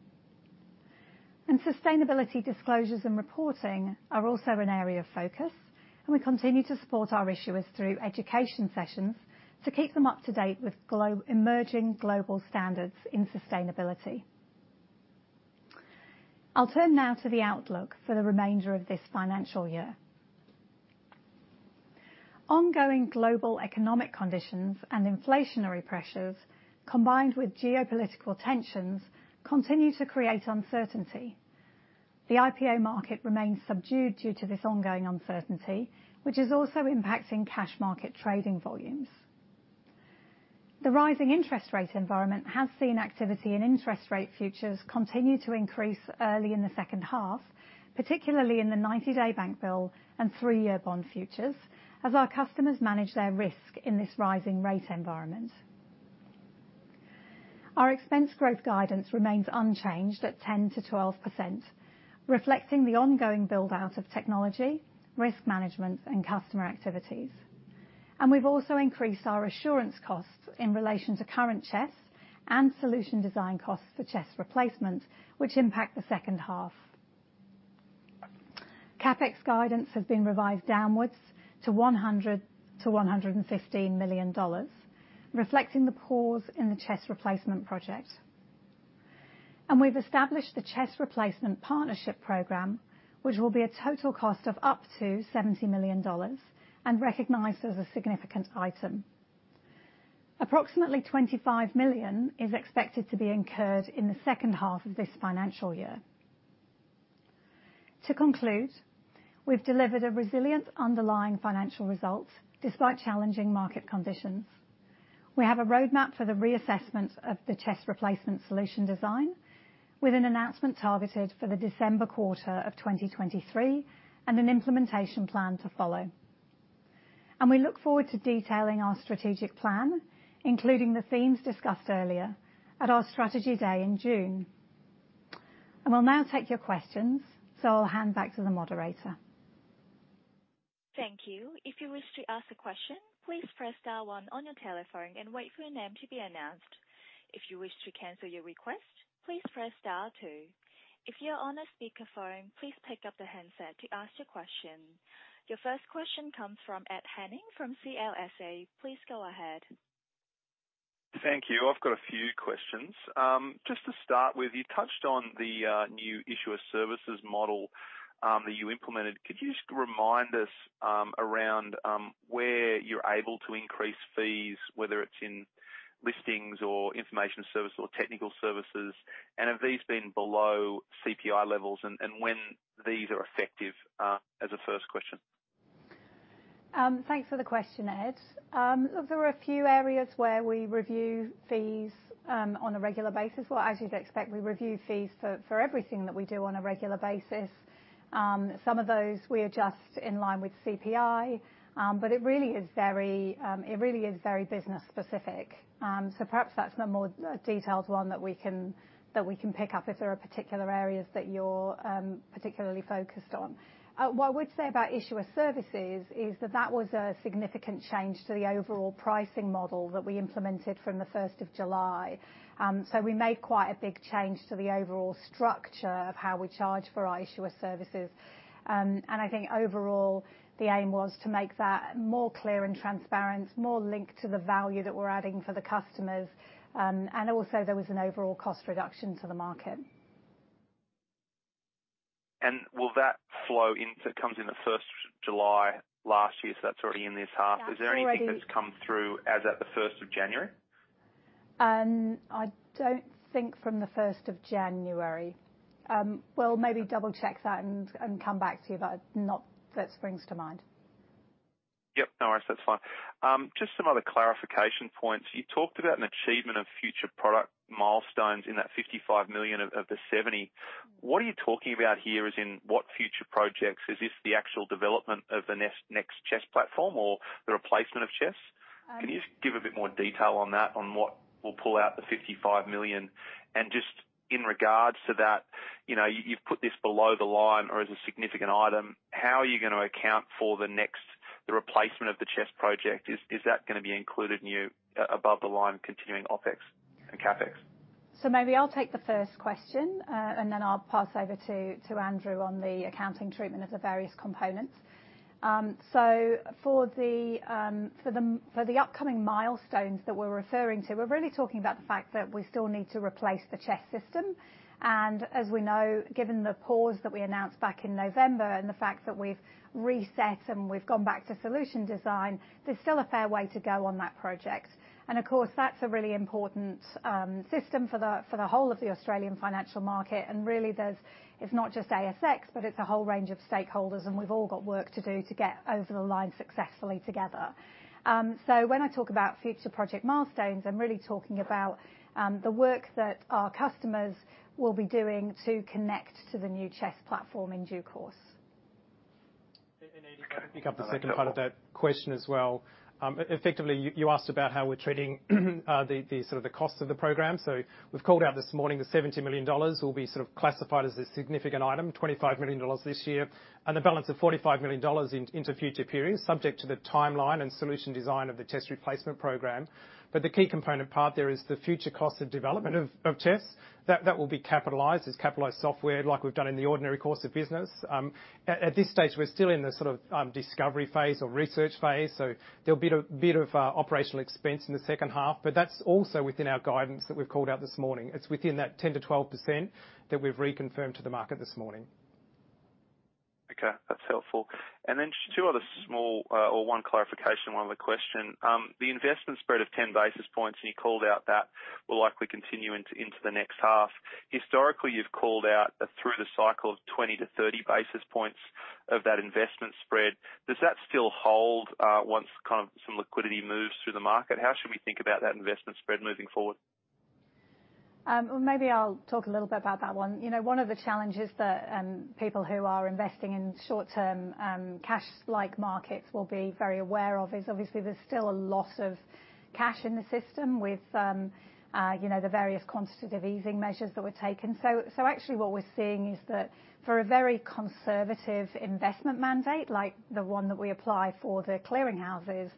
Sustainability disclosures and reporting are also an area of focus, and we continue to support our issuers through education sessions to keep them up to date with emerging global standards in sustainability. I'll turn now to the outlook for the remainder of this financial year. Ongoing global economic conditions and inflationary pressures, combined with geopolitical tensions, continue to create uncertainty. The IPO market remains subdued due to this ongoing uncertainty, which is also impacting cash market trading volumes. The rising interest rate environment has seen activity in interest rate futures continue to increase early in the second half, particularly in the 90-day bank bill and three year bond futures, as our customers manage their risk in this rising rate environment. Our expense growth guidance remains unchanged at 10%-12%, reflecting the ongoing build-out of technology, risk management, and customer activities. We've also increased our assurance costs in relation to current CHESS and solution design costs for CHESS Replacement, which impact the second half. CapEx guidance has been revised downwards to 100 million-115 million dollars, reflecting the pause in the CHESS Replacement project. We've established the CHESS Replacement Partnership Program, which will be a total cost of up to 70 million dollars and recognized as a significant item. Approximately 25 million is expected to be incurred in the second half of this financial year. To conclude, we've delivered a resilient underlying financial result despite challenging market conditions. We have a roadmap for the reassessment of the CHESS Replacement solution design, with an announcement targeted for the December quarter of 2023, and an implementation plan to follow. We look forward to detailing our strategic plan, including the themes discussed earlier at our strategy day in June. I will now take your questions, so I'll hand back to the moderator. Thank you. If you wish to ask a question, please press star one on your telephone and wait for your name to be announced. If you wish to cancel your request, please press star two. If you're on a speakerphone, please pick up the handset to ask your question. Your first question comes from Ed Henning from CLSA. Please go ahead. Thank you I've got a few questions Just to start with, you touched on the new issuer services model that you implemented. Could you just remind us around where you're able to increase fees, whether it's in listings or information service or technical services, and have these been below CPI levels, and when these are effective as a first question? Thanks for the question Ed there were a few areas where we review fees on a regular basis. Well, as you'd expect, we review fees for everything that we do on a regular basis. Some of those we adjust in line with CPI. It really is very business specific. Perhaps that's the more detailed one that we can pick up if there are particular areas that you're particularly focused on. What I would say about issuer services is that that was a significant change to the overall pricing model that we implemented from the 1st of July. We made quite a big change to the overall structure of how we charge for our issuer services. I think overall, the aim was to make that more clear and transparent, more linked to the value that we're adding for the customers, and also there was an overall cost reduction to the market. It comes in the first July last year, so that's already in this half. Yeah. Is there anything that's come through as at the first of January? I don't think from the first of January. Well, maybe double-check that and come back to you, but not bit springs to mind. Yep no worries that's fine just some other clarification points. You talked about an achievement of future product milestones in that 55 million of the 70. What are you talking about here, as in what future projects? Is this the actual development of the next CHESS platform or the replacement of CHESS? Um- Can you just give a bit more detail on that, on what will pull out the 55 million? Just in regards to that, you know, you've put this below the line or as a significant item, how are you gonna account for the replacement of the CHESS project? Is that gonna be included in your above the line continuing OpEx and CapEx? Maybe I'll take the first question, and then I'll pass over to Andrew Tobin on the accounting treatment of the various components. For the upcoming milestones that we're referring to, we're really talking about the fact that we still need to replace the CHESS system. As we know, given the pause that we announced back in November and the fact that we've reset and we've gone back to solution design, there's still a fair way to go on that project. Of course, that's a really important system for the whole of the Australian financial market. Really, it's not just ASX, but it's a whole range of stakeholders, and we've all got work to do to get over the line successfully together. When I talk about future project milestones, I'm really talking about the work that our customers will be doing to connect to the new CHESS platform in due course. Ed can I pick up the second part of that question as well? Effectively, you asked about how we're treating the sort of the costs of the program. We've called out this morning the 70 million dollars will be sort of classified as a significant item, 25 million dollars this year, and a balance of 45 million dollars into future periods, subject to the timeline and solution design of the CHESS Replacement Program. The key component part there is the future cost of development of CHESS. That will be capitalized as capitalized software like we've done in the ordinary course of business. At this stage, we're still in the sort of, discovery phase or research phase. There'll be a bit of OpEx in the second half. That's also within our guidance that we've called out this morning. It's within that 10%-12% that we've reconfirmed to the market this morning. Okay that's helpful two other small or one clarification, one other question. The investment spread of 10 basis points, and you called out that will likely continue into the next half. Historically, you've called out through the cycle of 20 basis points-30 basis points of that investment spread. Does that still hold, once kind of some liquidity moves through the market? How should we think about that investment spread moving forward? Well maybe I'll talk a little bit about that one. You know, one of the challenges that people who are investing in short-term cash-like markets will be very aware of is obviously there's still a lot of cash in the system with you know, the various quantitative easing measures that were taken. Actually what we're seeing is that for a very conservative investment mandate, like the one that we apply for the clearing houses,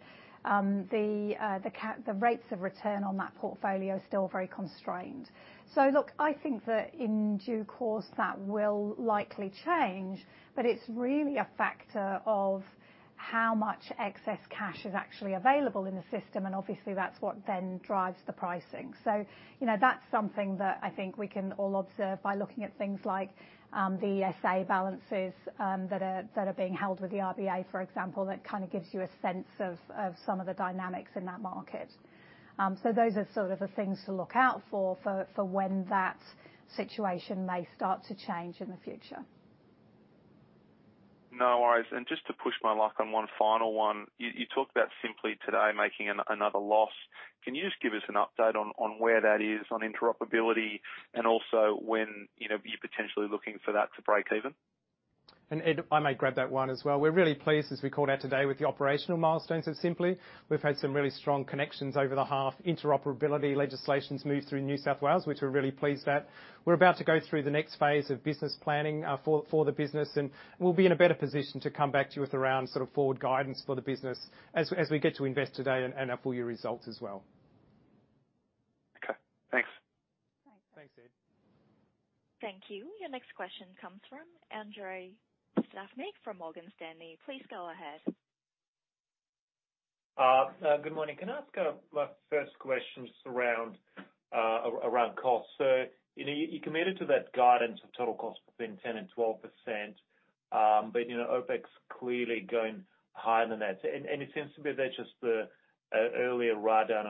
the rates of return on that portfolio are still very constrained. Look, I think that in due course, that will likely change, but it's really a factor of how much excess cash is actually available in the system, and obviously that's what then drives the pricing. You know, that's something that I think we can all observe by looking at things like, the ESA balances, that are being held with the RBA, for example, that kind of gives you a sense of some of the dynamics in that market. Those are sort of the things to look out for when that situation may start to change in the future. No worries just to push my luck on one final one. You talked about Sympli today making another loss. Can you just give us an update on where that is on interoperability and also when, you know, you're potentially looking for that to break even? Ed I may grab that one as well. We're really pleased, as we called out today, with the operational milestones at Sympli. We've had some really strong connections over the half. Interoperability legislations moved through New South Wales, which we're really pleased at. We're about to go through the next phase of business planning for the business, and we'll be in a better position to come back to you with around sort of forward guidance for the business as we get to invest today and our full year results as well. Okay thanks. Thanks. Thanks Ed. Thank you your next question comes from Andrei Stadnik from Morgan Stanley. Please go ahead. Good morning can I ask my first questions around costs? You know, you committed to that guidance of total cost between 10% and 12%, you know, OpEx clearly going higher than that. It seems to be that just the earlier write down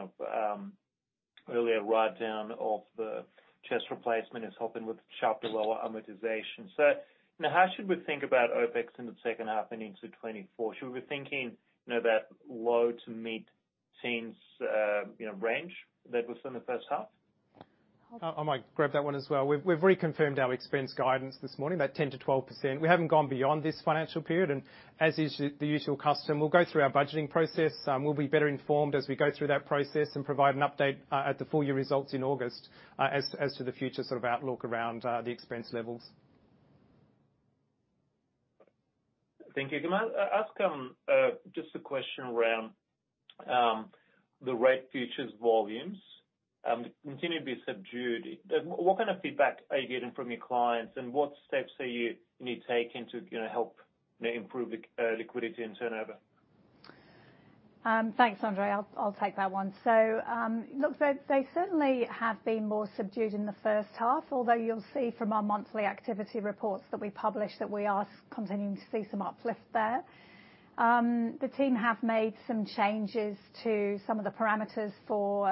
of the CHESS Replacement is helping with the sharper, lower amortization. You know, how should we think about OpEx in the second half and into 2024? Should we be thinking, you know, that low to mid-teens, you know, range that was in the first half? I might grab that one as well. We've reconfirmed our expense guidance this morning, that 10%-12%. We haven't gone beyond this financial period, and as the usual custom, we'll go through our budgeting process. We'll be better informed as we go through that process and provide an update at the full year results in August as to the future sort of outlook around the expense levels. Thank you can I ask just a question around the rate futures volumes continue to be subdued? What kind of feedback are you getting from your clients, and what steps are you taking to, you know, help improve liquidity and turnover? Thanks Andre I'll take that one they certainly have been more subdued in the first half, although you'll see from our monthly activity reports that we publish that we are continuing to see some uplift there. The team have made some changes to some of the parameters for,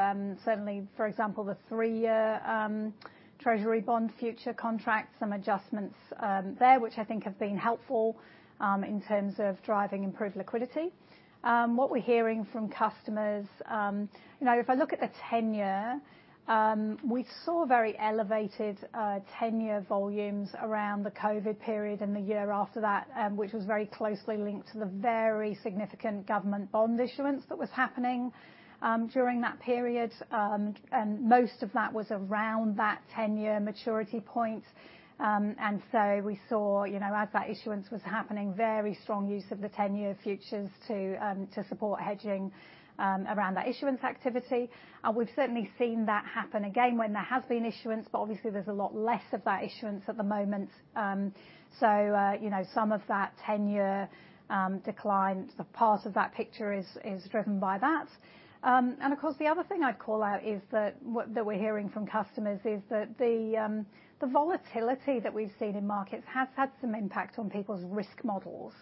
certainly, for example, the three-year Treasury bond future contracts, some adjustments there, which I think have been helpful in terms of driving improved liquidity. What we're hearing from customers, you know, if I look at the tenure, we saw very elevated tenure volumes around the COVID period and the year after that, which was very closely linked to the very significant government bond issuance that was happening during that period. Most of that was around that tenure maturity point. We saw, you know, as that issuance was happening, very strong use of the 10 year futures to support hedging around that issuance activity. We've certainly seen that happen again when there has been issuance, but obviously there's a lot less of that issuance at the moment. You know, some of that 10 year decline, the part of that picture is driven by that. Of course, the other thing I'd call out is that we're hearing from customers is that the volatility that we've seen in markets has had some impact on people's risk models.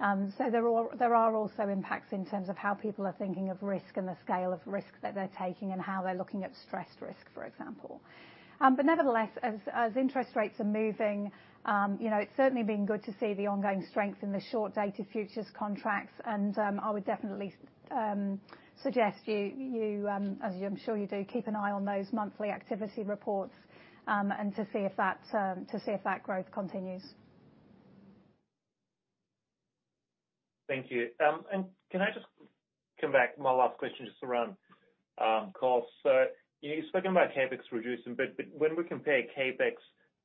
There are also impacts in terms of how people are thinking of risk and the scale of risk that they're taking and how they're looking at stress risk, for example. Nevertheless, as interest rates are moving, you know, it's certainly been good to see the ongoing strength in the short dated futures contracts. I would definitely suggest you, as I'm sure you do, keep an eye on those monthly activity reports, and to see if that growth continues. Thank you can I just come back? My last question just around costs. You know, you've spoken about CapEx reducing, but when we compare CapEx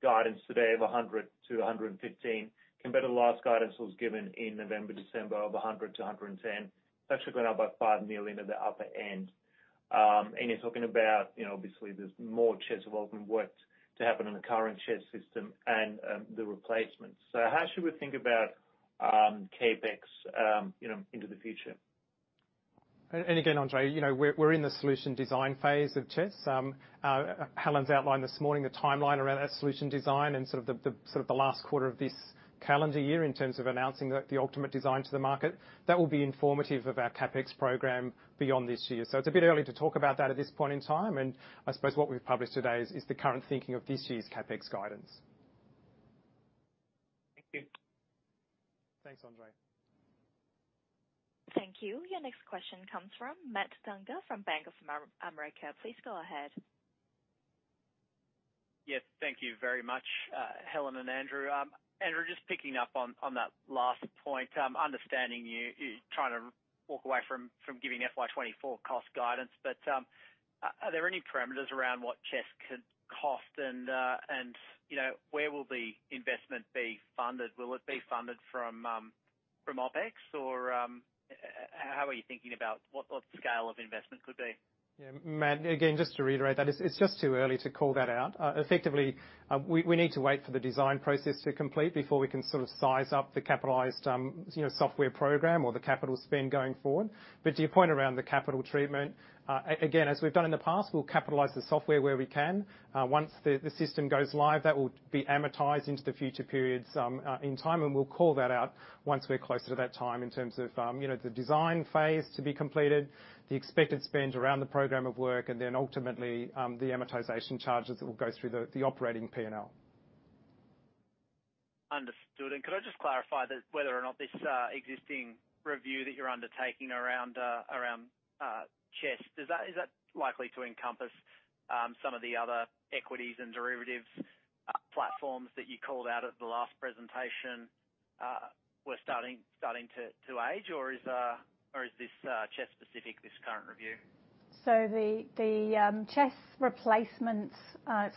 guidance today of 100 million-115 million compared to last guidance was given in November, December of 100 million-110 million, it's actually gone up by 5 million at the upper end. You're talking about, you know, obviously there's more CHESS development work to happen on the current CHESS system and the replacements. How should we think about CapEx, you know, into the future? Again Andrei, you know, we're in the solution design phase of CHESS. Helen's outlined this morning the timeline around that solution design and sort of the last quarter of this calendar year in terms of announcing the ultimate design to the market. That will be informative of our CapEx program beyond this year. It's a bit early to talk about that at this point in time. I suppose what we've published today is the current thinking of this year's CapEx guidance. Thank you. Thanks Andre. Thank you. Your next question comes from Matt Dangar from Bank of America. Please go ahead. Yes thank you very much Helen and Andrew. Andrew, just picking up on that last point, understanding you're trying to walk away from giving FY 2024 cost guidance, but are there any parameters around what CHESS could cost? You know, where will the investment be funded? Will it be funded from OpEx? Or, how are you thinking about what the scale of investment could be? Yeah Matt again just to reiterate that, it's just too early to call that out. Effectively, we need to wait for the design process to complete before we can sort of size up the capitalized, you know, software program or the capital spend going forward. To your point around the capital treatment, again, as we've done in the past, we'll capitalize the software where we can. Once the system goes live, that will be amortized into the future periods, in time, and we'll call that out once we're closer to that time in terms of, you know, the design phase to be completed, the expected spend around the program of work, and then ultimately, the amortization charges that will go through the operating P&L. Understood. Could I just clarify that whether or not this existing review that you're undertaking around CHESS, is that likely to encompass some of the other equities and derivatives platforms that you called out at the last presentation, were starting to age, or is this CHESS specific, this current review? The CHESS Replacement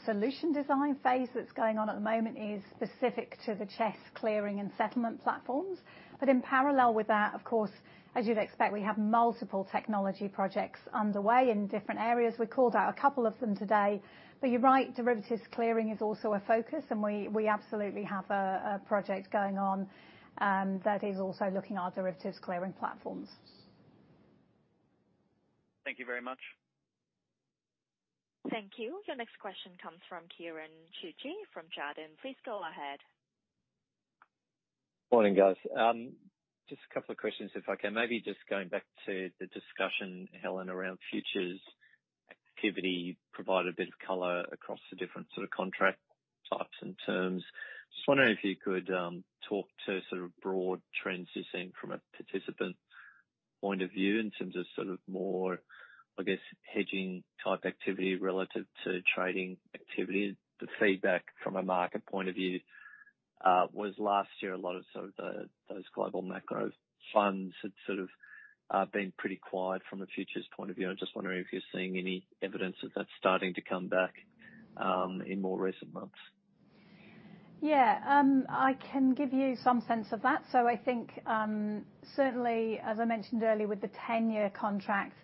solution design phase that's going on at the moment is specific to the CHESS clearing and settlement platforms. In parallel with that, of course, as you'd expect, we have multiple technology projects underway in different areas. We called out a couple of them today. You're right, derivatives clearing is also a focus, and we absolutely have a project going on that is also looking at derivatives clearing platforms. Thank you very much. Thank you. Your next question comes from Kieran Chidgey from Jarden. Please go ahead. Morning guys just a couple of questions if I can. Maybe just going back to the discussion, Helen, around futures activity, provide a bit of color across the different sort of contract types and terms. Just wondering if you could talk to sort of broad trends you're seeing from a participant point of view in terms of sort of more, I guess, hedging-type activity relative to trading activity. The feedback from a market point of view was last year, a lot of sort of the, those global macro funds had sort of been pretty quiet from a futures point of view. I'm just wondering if you're seeing any evidence that that's starting to come back in more recent months. Yeah. I can give you some sense of that. I think, certainly, as I mentioned earlier, with the 10-year contract,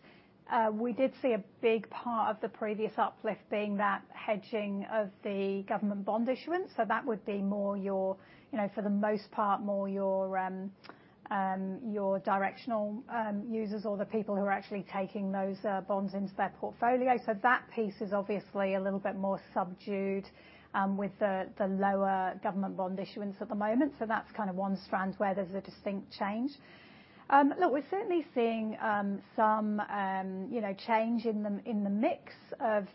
we did see a big part of the previous uplift being that hedging of the government bond issuance. That would be more your, you know, for the most part, more your directional users or the people who are actually taking those bonds into their portfolio. That piece is obviously a little bit more subdued with the lower government bond issuance at the moment. That's kind of one strand where there's a distinct change. We're certainly seeing some, you know, change in the mix of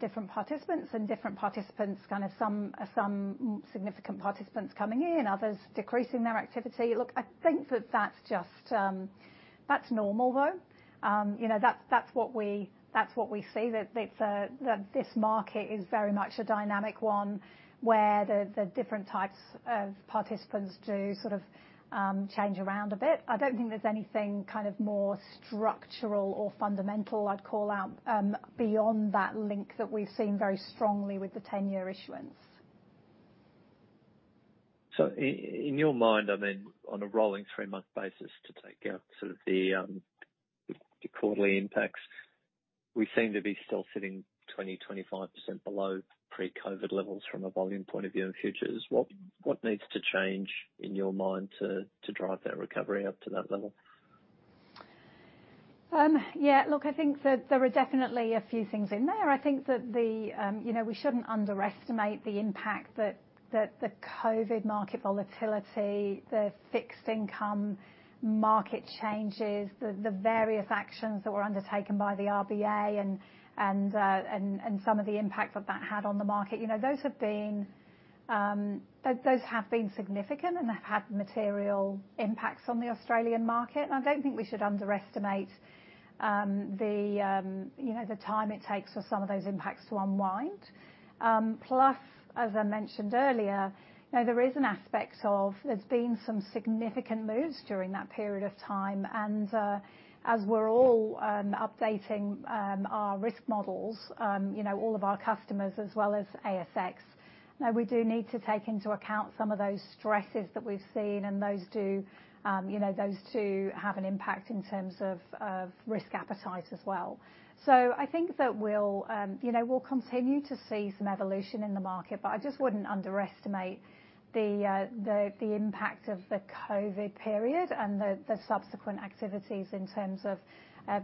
different participants and kinda some significant participants coming in, others decreasing their activity. Look, I think that that's just, that's normal though. You know, that's what we see. It's that this market is very much a dynamic one, where the different types of participants do sort of, change around a bit. I don't think there's anything kind of more structural or fundamental I'd call out, beyond that link that we've seen very strongly with the 10-year issuance. In your mind, I mean, on a rolling three month basis to take out sort of the quarterly impacts, we seem to be still sitting 20%-25% below pre-COVID levels from a volume point of view in futures. What needs to change in your mind to drive that recovery up to that level? Yeah, look, I think that there are definitely a few things in there. I think that the, you know, we shouldn't underestimate the impact that the COVID market volatility, the fixed income market changes, the various actions that were undertaken by the RBA and some of the impact that that had on the market. You know, those have been significant, and they've had material impacts on the Australian market. I don't think we should underestimate, you know, the time it takes for some of those impacts to unwind. Plus, as I mentioned earlier, you know, there is an aspect of there's been some significant moves during that period of time, and as we're all updating our risk models, you know, all of our customers as well as ASX, you know, we do need to take into account some of those stresses that we've seen and those do, you know, those do have an impact in terms of risk appetite as well. I think that we'll, you know, we'll continue to see some evolution in the market, but I just wouldn't underestimate the, the impact of the COVID period and the subsequent activities in terms of,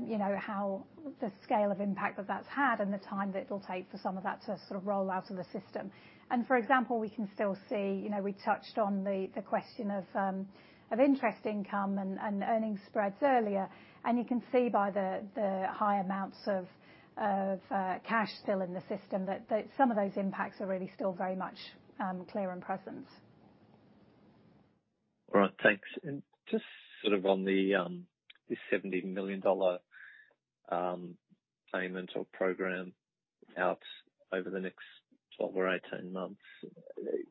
you know, how the scale of impact that that's had and the time that it'll take for some of that to sort of roll out of the system. For example, we can still see, you know, we touched on the question of interest income and earning spreads earlier. You can see by the high amounts of cash still in the system that some of those impacts are really still very much clear and present. All right. Thanks. Just sort of on the 70 million dollar payment or program out over the next 12 or 18 months,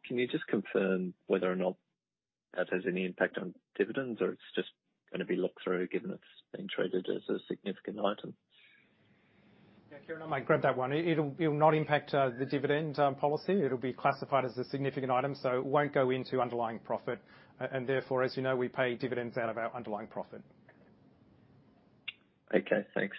can you just confirm whether or not that has any impact on dividends or it's just gonna be looked through, given it's being treated as a significant item? Yeah, Kieran, I might grab that one. It'll not impact the dividend policy. It'll be classified as a significant item, so it won't go into underlying profit. Therefore, as you know, we pay dividends out of our underlying profit. Okay, thanks.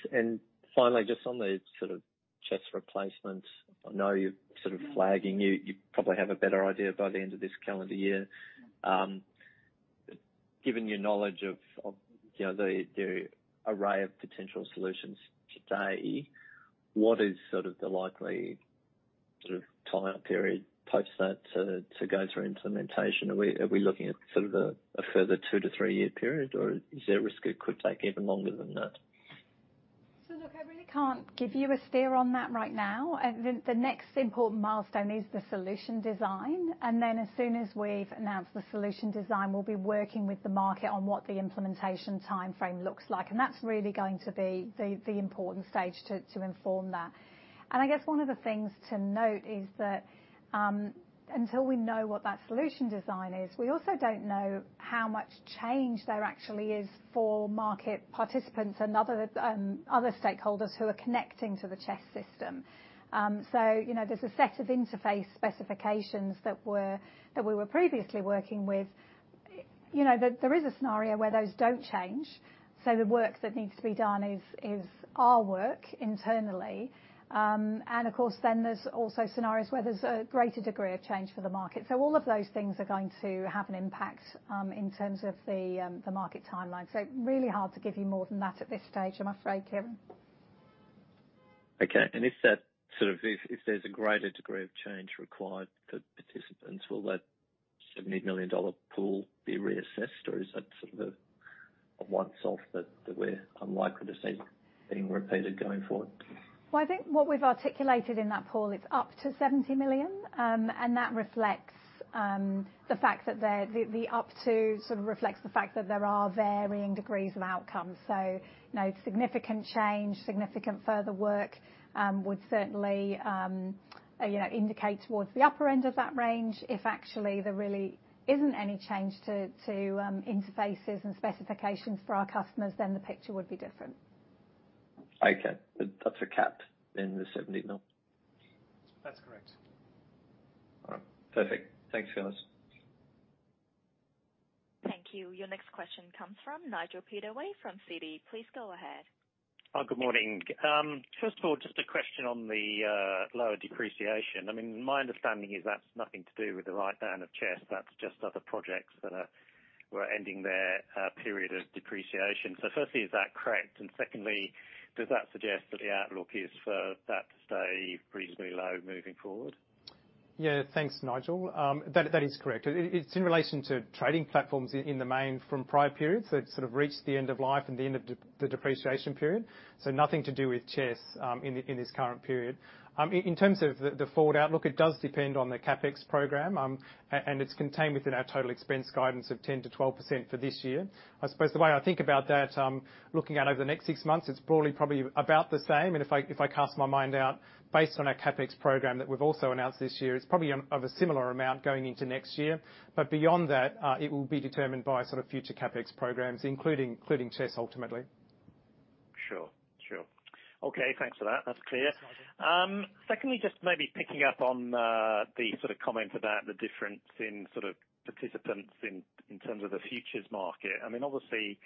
Finally, just on the sort of CHESS replacement. I know you're sort of flagging, you probably have a better idea by the end of this calendar year. Given your knowledge of, you know, the array of potential solutions today, what is sort of the likely sort of timeline period post that to go through implementation? Are we looking at sort of a further two to three year period, or is there a risk it could take even longer than that? Look, I really can't give you a steer on that right now. The next important milestone is the solution design. Then as soon as we've announced the solution design, we'll be working with the market on what the implementation timeframe looks like. That's really going to be the important stage to inform that. I guess one of the things to note is that, until we know what that solution design is, we also don't know how much change there actually is for market participants and other stakeholders who are connecting to the CHESS system. You know, there's a set of interface specifications that we were previously working with. You know, there is a scenario where those don't change, so the work that needs to be done is our work internally. There's also scenarios where there's a greater degree of change for the market. All of those things are going to have an impact in terms of the market timeline. Really hard to give you more than that at this stage, I'm afraid, Kieran. Okay. If that, sort of, if there's a greater degree of change required for participants, will that 70 million dollar pool be reassessed, or is that sort of a once-off that we're unlikely to see being repeated going forward? I think what we've articulated in that pool, it's up to 70 million. That reflects the fact that the up to sort of reflects the fact that there are varying degrees of outcomes. Significant change, significant further work would certainly, you know, indicate towards the upper end of that range. If actually there really isn't any change to interfaces and specifications for our customers, then the picture would be different. Okay. That's a cap in the 70 million? That's correct. All right. Perfect. Thanks fellas. Thank you. Your next question comes from Nigel Pittaway from Citi. Please go ahead. Good morning. First of all, just a question on the lower depreciation. I mean, my understanding is that's nothing to do with the write-down of CHESS. That's just other projects that were ending their period of depreciation. Firstly, is that correct? Secondly, does that suggest that the outlook is for that to stay reasonably low moving forward? Yeah. Thanks Nigel. That is correct. It's in relation to trading platforms in the main from prior periods that sort of reached the end of life and the end of the depreciation period. Nothing to do with CHESS in this current period. In terms of the forward outlook, it does depend on the CapEx program. It's contained within our total expense guidance of 10%-12% for this year. I suppose the way I think about that, looking out over the next six months, it's broadly probably about the same. If I cast my mind out based on our CapEx program that we've also announced this year, it's probably of a similar amount going into next year. Beyond that, it will be determined by sort of future CapEx programs, including CHESS, ultimately. Sure, sure. Okay, thanks for that. That's clear. That's Nigel. Secondly, just maybe picking up on the sort of comment about the difference in sort of participants in terms of the futures market. I mean, obviously,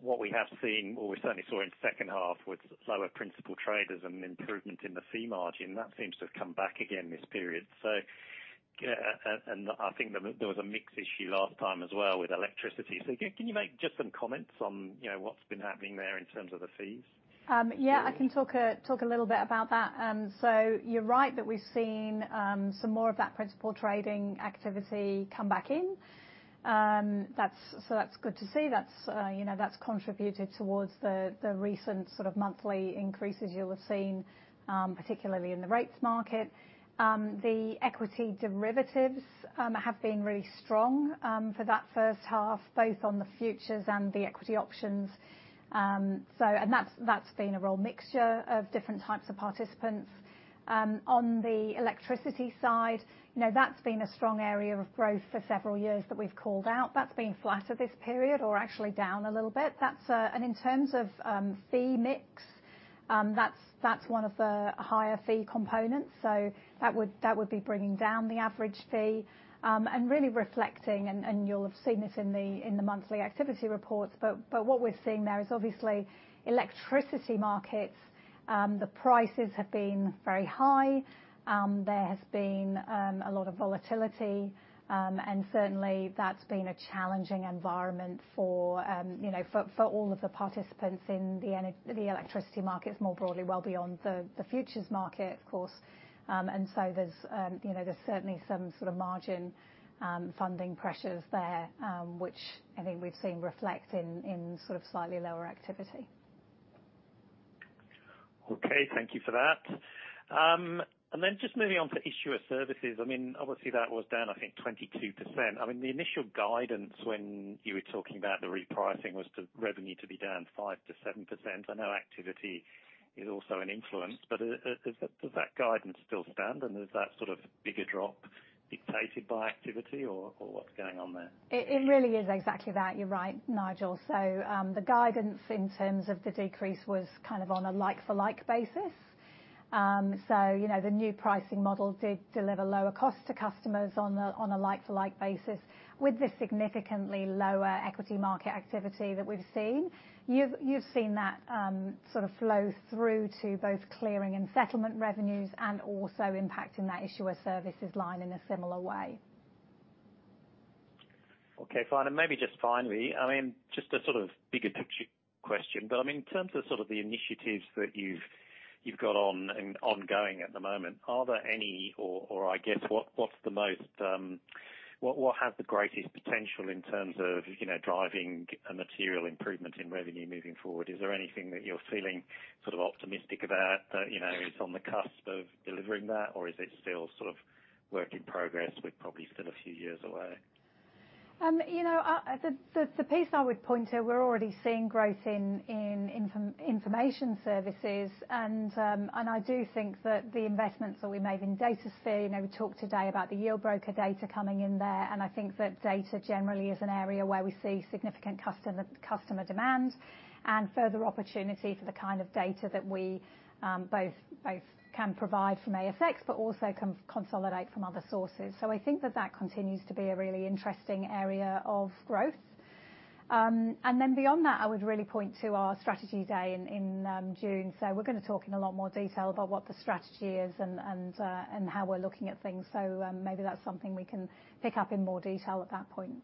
what we have seen, or we certainly saw in second half with lower principal traders and improvement in the fee margin, that seems to have come back again this period. I think there was a mix issue last time as well with electricity. Can you make just some comments on, you know, what's been happening there in terms of the fees? Yeah, I can talk a little bit about that. You're right that we've seen some more of that principal trading activity come back in. That's good to see. That's, you know, that's contributed towards the recent sort of monthly increases you'll have seen, particularly in the rates market. The equity derivatives have been really strong for that first half, both on the futures and the equity options. That's been a real mixture of different types of participants. On the electricity side, you know, that's been a strong area of growth for several years that we've called out. That's been flatter this period or actually down a little bit. That's... In terms of fee mix, that's one of the higher fee components, so that would be bringing down the average fee. Really reflecting, and you'll have seen this in the monthly activity reports, but what we're seeing there is obviously electricity markets, the prices have been very high. There has been a lot of volatility. Certainly, that's been a challenging environment for, you know, for all of the participants in the electricity markets more broadly, well beyond the futures market, of course. There's, you know, there's certainly some sort of margin funding pressures there, which I think we've seen reflect in sort of slightly lower activity. Okay, thank you for that. Just moving on to issuer services, I mean, obviously that was down, I think 22%. I mean, the initial guidance when you were talking about the repricing was the revenue to be down 5%-7%. I know activity is also an influence, but does that guidance still stand, and is that sort of bigger drop dictated by activity or what's going on there? It really is exactly that. You're right, Nigel. The guidance in terms of the decrease was kind of on a like-for-like basis. You know, the new pricing model did deliver lower cost to customers on a like-for-like basis. With the significantly lower equity market activity that we've seen, you've seen that sort of flow through to both clearing and settlement revenues and also impacting that issuer services line in a similar way. Okay fine. Maybe just finally, I mean, just a sort of bigger picture question, I mean, in terms of sort of the initiatives that You've got on and ongoing at the moment, are there any, or I guess what's the most, what has the greatest potential in terms of, you know, driving a material improvement in revenue moving forward? Is there anything that you're feeling sort of optimistic about that, you know, is on the cusp of delivering that? Is it still sort of work in progress, with probably still a few years away? You know, the piece I would point to, we're already seeing growth in information services. I do think that the investments that we made in ASX DataSphere, you know, we talked today about the Yieldbroker data coming in there, and I think that data generally is an area where we see significant customer demands and further opportunity for the kind of data that we both can provide from ASX, but also consolidate from other sources. I think that that continues to be a really interesting area of growth. And then beyond that, I would really point to our strategy day in June. We're gonna talk in a lot more detail about what the strategy is and how we're looking at things. Maybe that's something we can pick up in more detail at that point.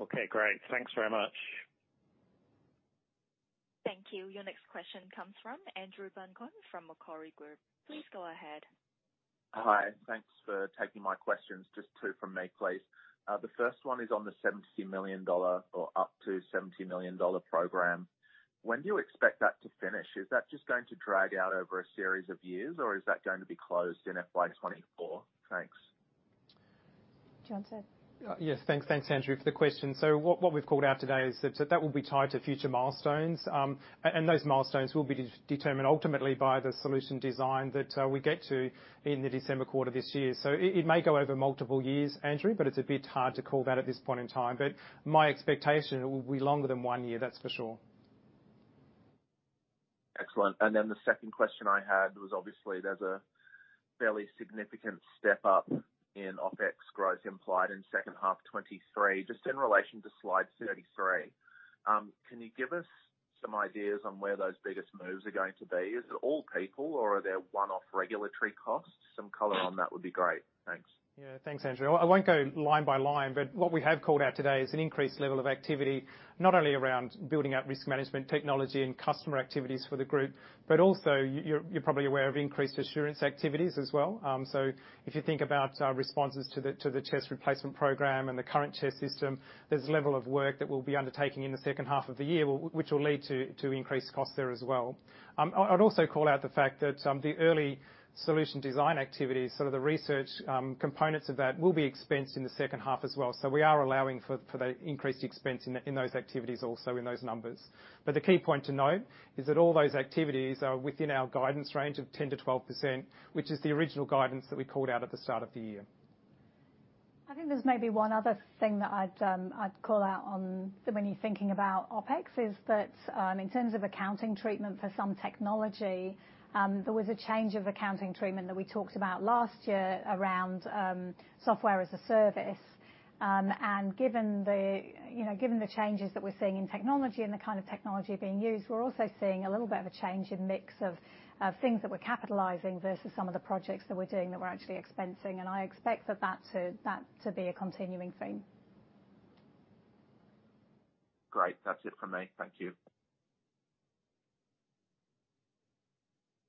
Okay great thanks very much. Thank you. Your next question comes from Andrew Buncombe from Macquarie Group. Please go ahead. Hi thanks for taking my questions. Just two from me, please. The first one is on the 70 million dollar or up to 70 million dollar program. When do you expect that to finish? Is that just going to drag out over a series of years, or is that going to be closed in FY 2024? Thanks. Do you want to- Yes. Thanks. Thanks Andrew for the question. What we've called out today is that that will be tied to future milestones. And those milestones will be determined ultimately by the solution design that we get to in the December quarter this year. It may go over multiple years, Andrew, but it's a bit hard to call that at this point in time. My expectation, it will be longer than one year, that's for sure. Excellent the second question I had was obviously there's a fairly significant step up in OpEx growth implied in second half 2023. Just in relation to slide 33, can you give us some ideas on where those biggest moves are going to be? Is it all people, or are there one-off regulatory costs? Some color on that would be great. Thanks. Yeah thanks Andrew I won't go line by line but what we have called out today is an increased level of activity, not only around building out risk management technology and customer activities for the group, but also you're probably aware of increased assurance activities as well. If you think about responses to the CHESS replacement program and the current CHESS system, there's a level of work that we'll be undertaking in the second half of the year, which will lead to increased costs there as well. I'd also call out the fact that the early solution design activities, sort of the research, components of that, will be expensed in the second half as well. We are allowing for the increased expense in those activities also in those numbers. The key point to note is that all those activities are within our guidance range of 10%-12%, which is the original guidance that we called out at the start of the year. I think there's maybe one other thing that I'd call out on when you're thinking about OpEx, is that, in terms of accounting treatment for some technology, there was a change of accounting treatment that we talked about last year around software as a service. Given the, you know, given the changes that we're seeing in technology and the kind of technology being used, we're also seeing a little bit of a change in mix of things that we're capitalizing versus some of the projects that we're doing that we're actually expensing. I expect for that to be a continuing theme. Great that's it from me thank you.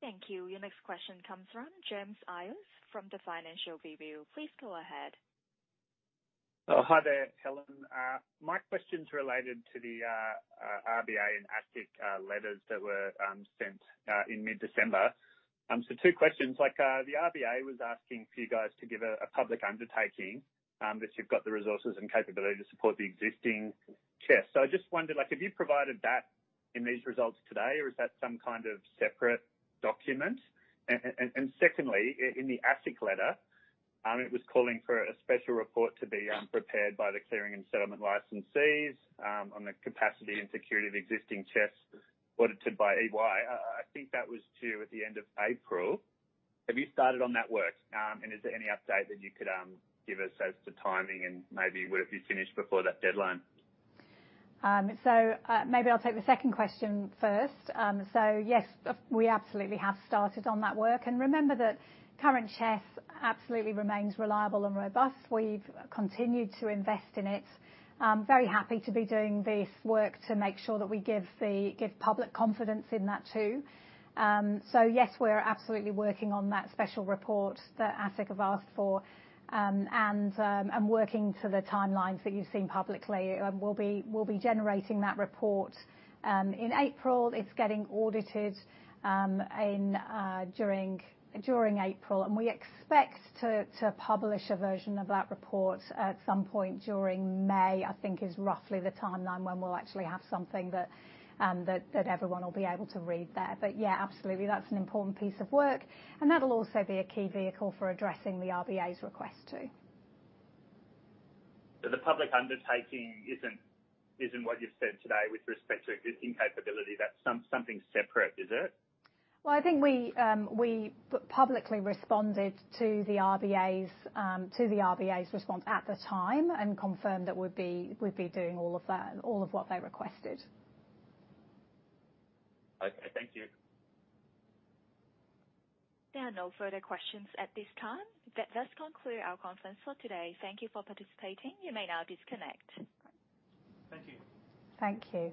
Thank you. Your next question comes from James Eyers from The Financial Review. Please go ahead. Hi there Helen my question's related to the RBA and ASIC letters that were sent in mid-December. Two questions. Like, the RBA was asking for you guys to give a public undertaking that you've got the resources and capability to support the existing CHESS. I just wondered, like, have you provided that in these results today, or is that some kind of separate document? Secondly, in the ASIC letter, it was calling for a special report to be prepared by the clearing and settlement licensees on the capacity and security of existing CHESS audited by EY. I think that was due at the end of April. Have you started on that work? Is there any update that you could give us as to timing and maybe would it be finished before that deadline? Maybe I'll take the second question first. Yes, we absolutely have started on that work. Remember that current CHESS absolutely remains reliable and robust. We've continued to invest in it. I'm very happy to be doing this work to make sure that we give public confidence in that too. Yes, we're absolutely working on that special report that ASIC have asked for, and working to the timelines that you've seen publicly. We'll be generating that report in April. It's getting audited in April, and we expect to publish a version of that report at some point during May, I think is roughly the timeline when we'll actually have something that everyone will be able to read there. Yeah, absolutely, that's an important piece of work, and that'll also be a key vehicle for addressing the RBA's request too. The public undertaking isn't what you've said today with respect to existing capability. That's something separate, is it? I think we publicly responded to the RBA's, to the RBA's response at the time and confirmed that we'd be doing all of that, all of what they requested. Okay. Thank you. There are no further questions at this time. That does conclude our conference call today. Thank you for participating. You may now disconnect. Thank you. Thank you.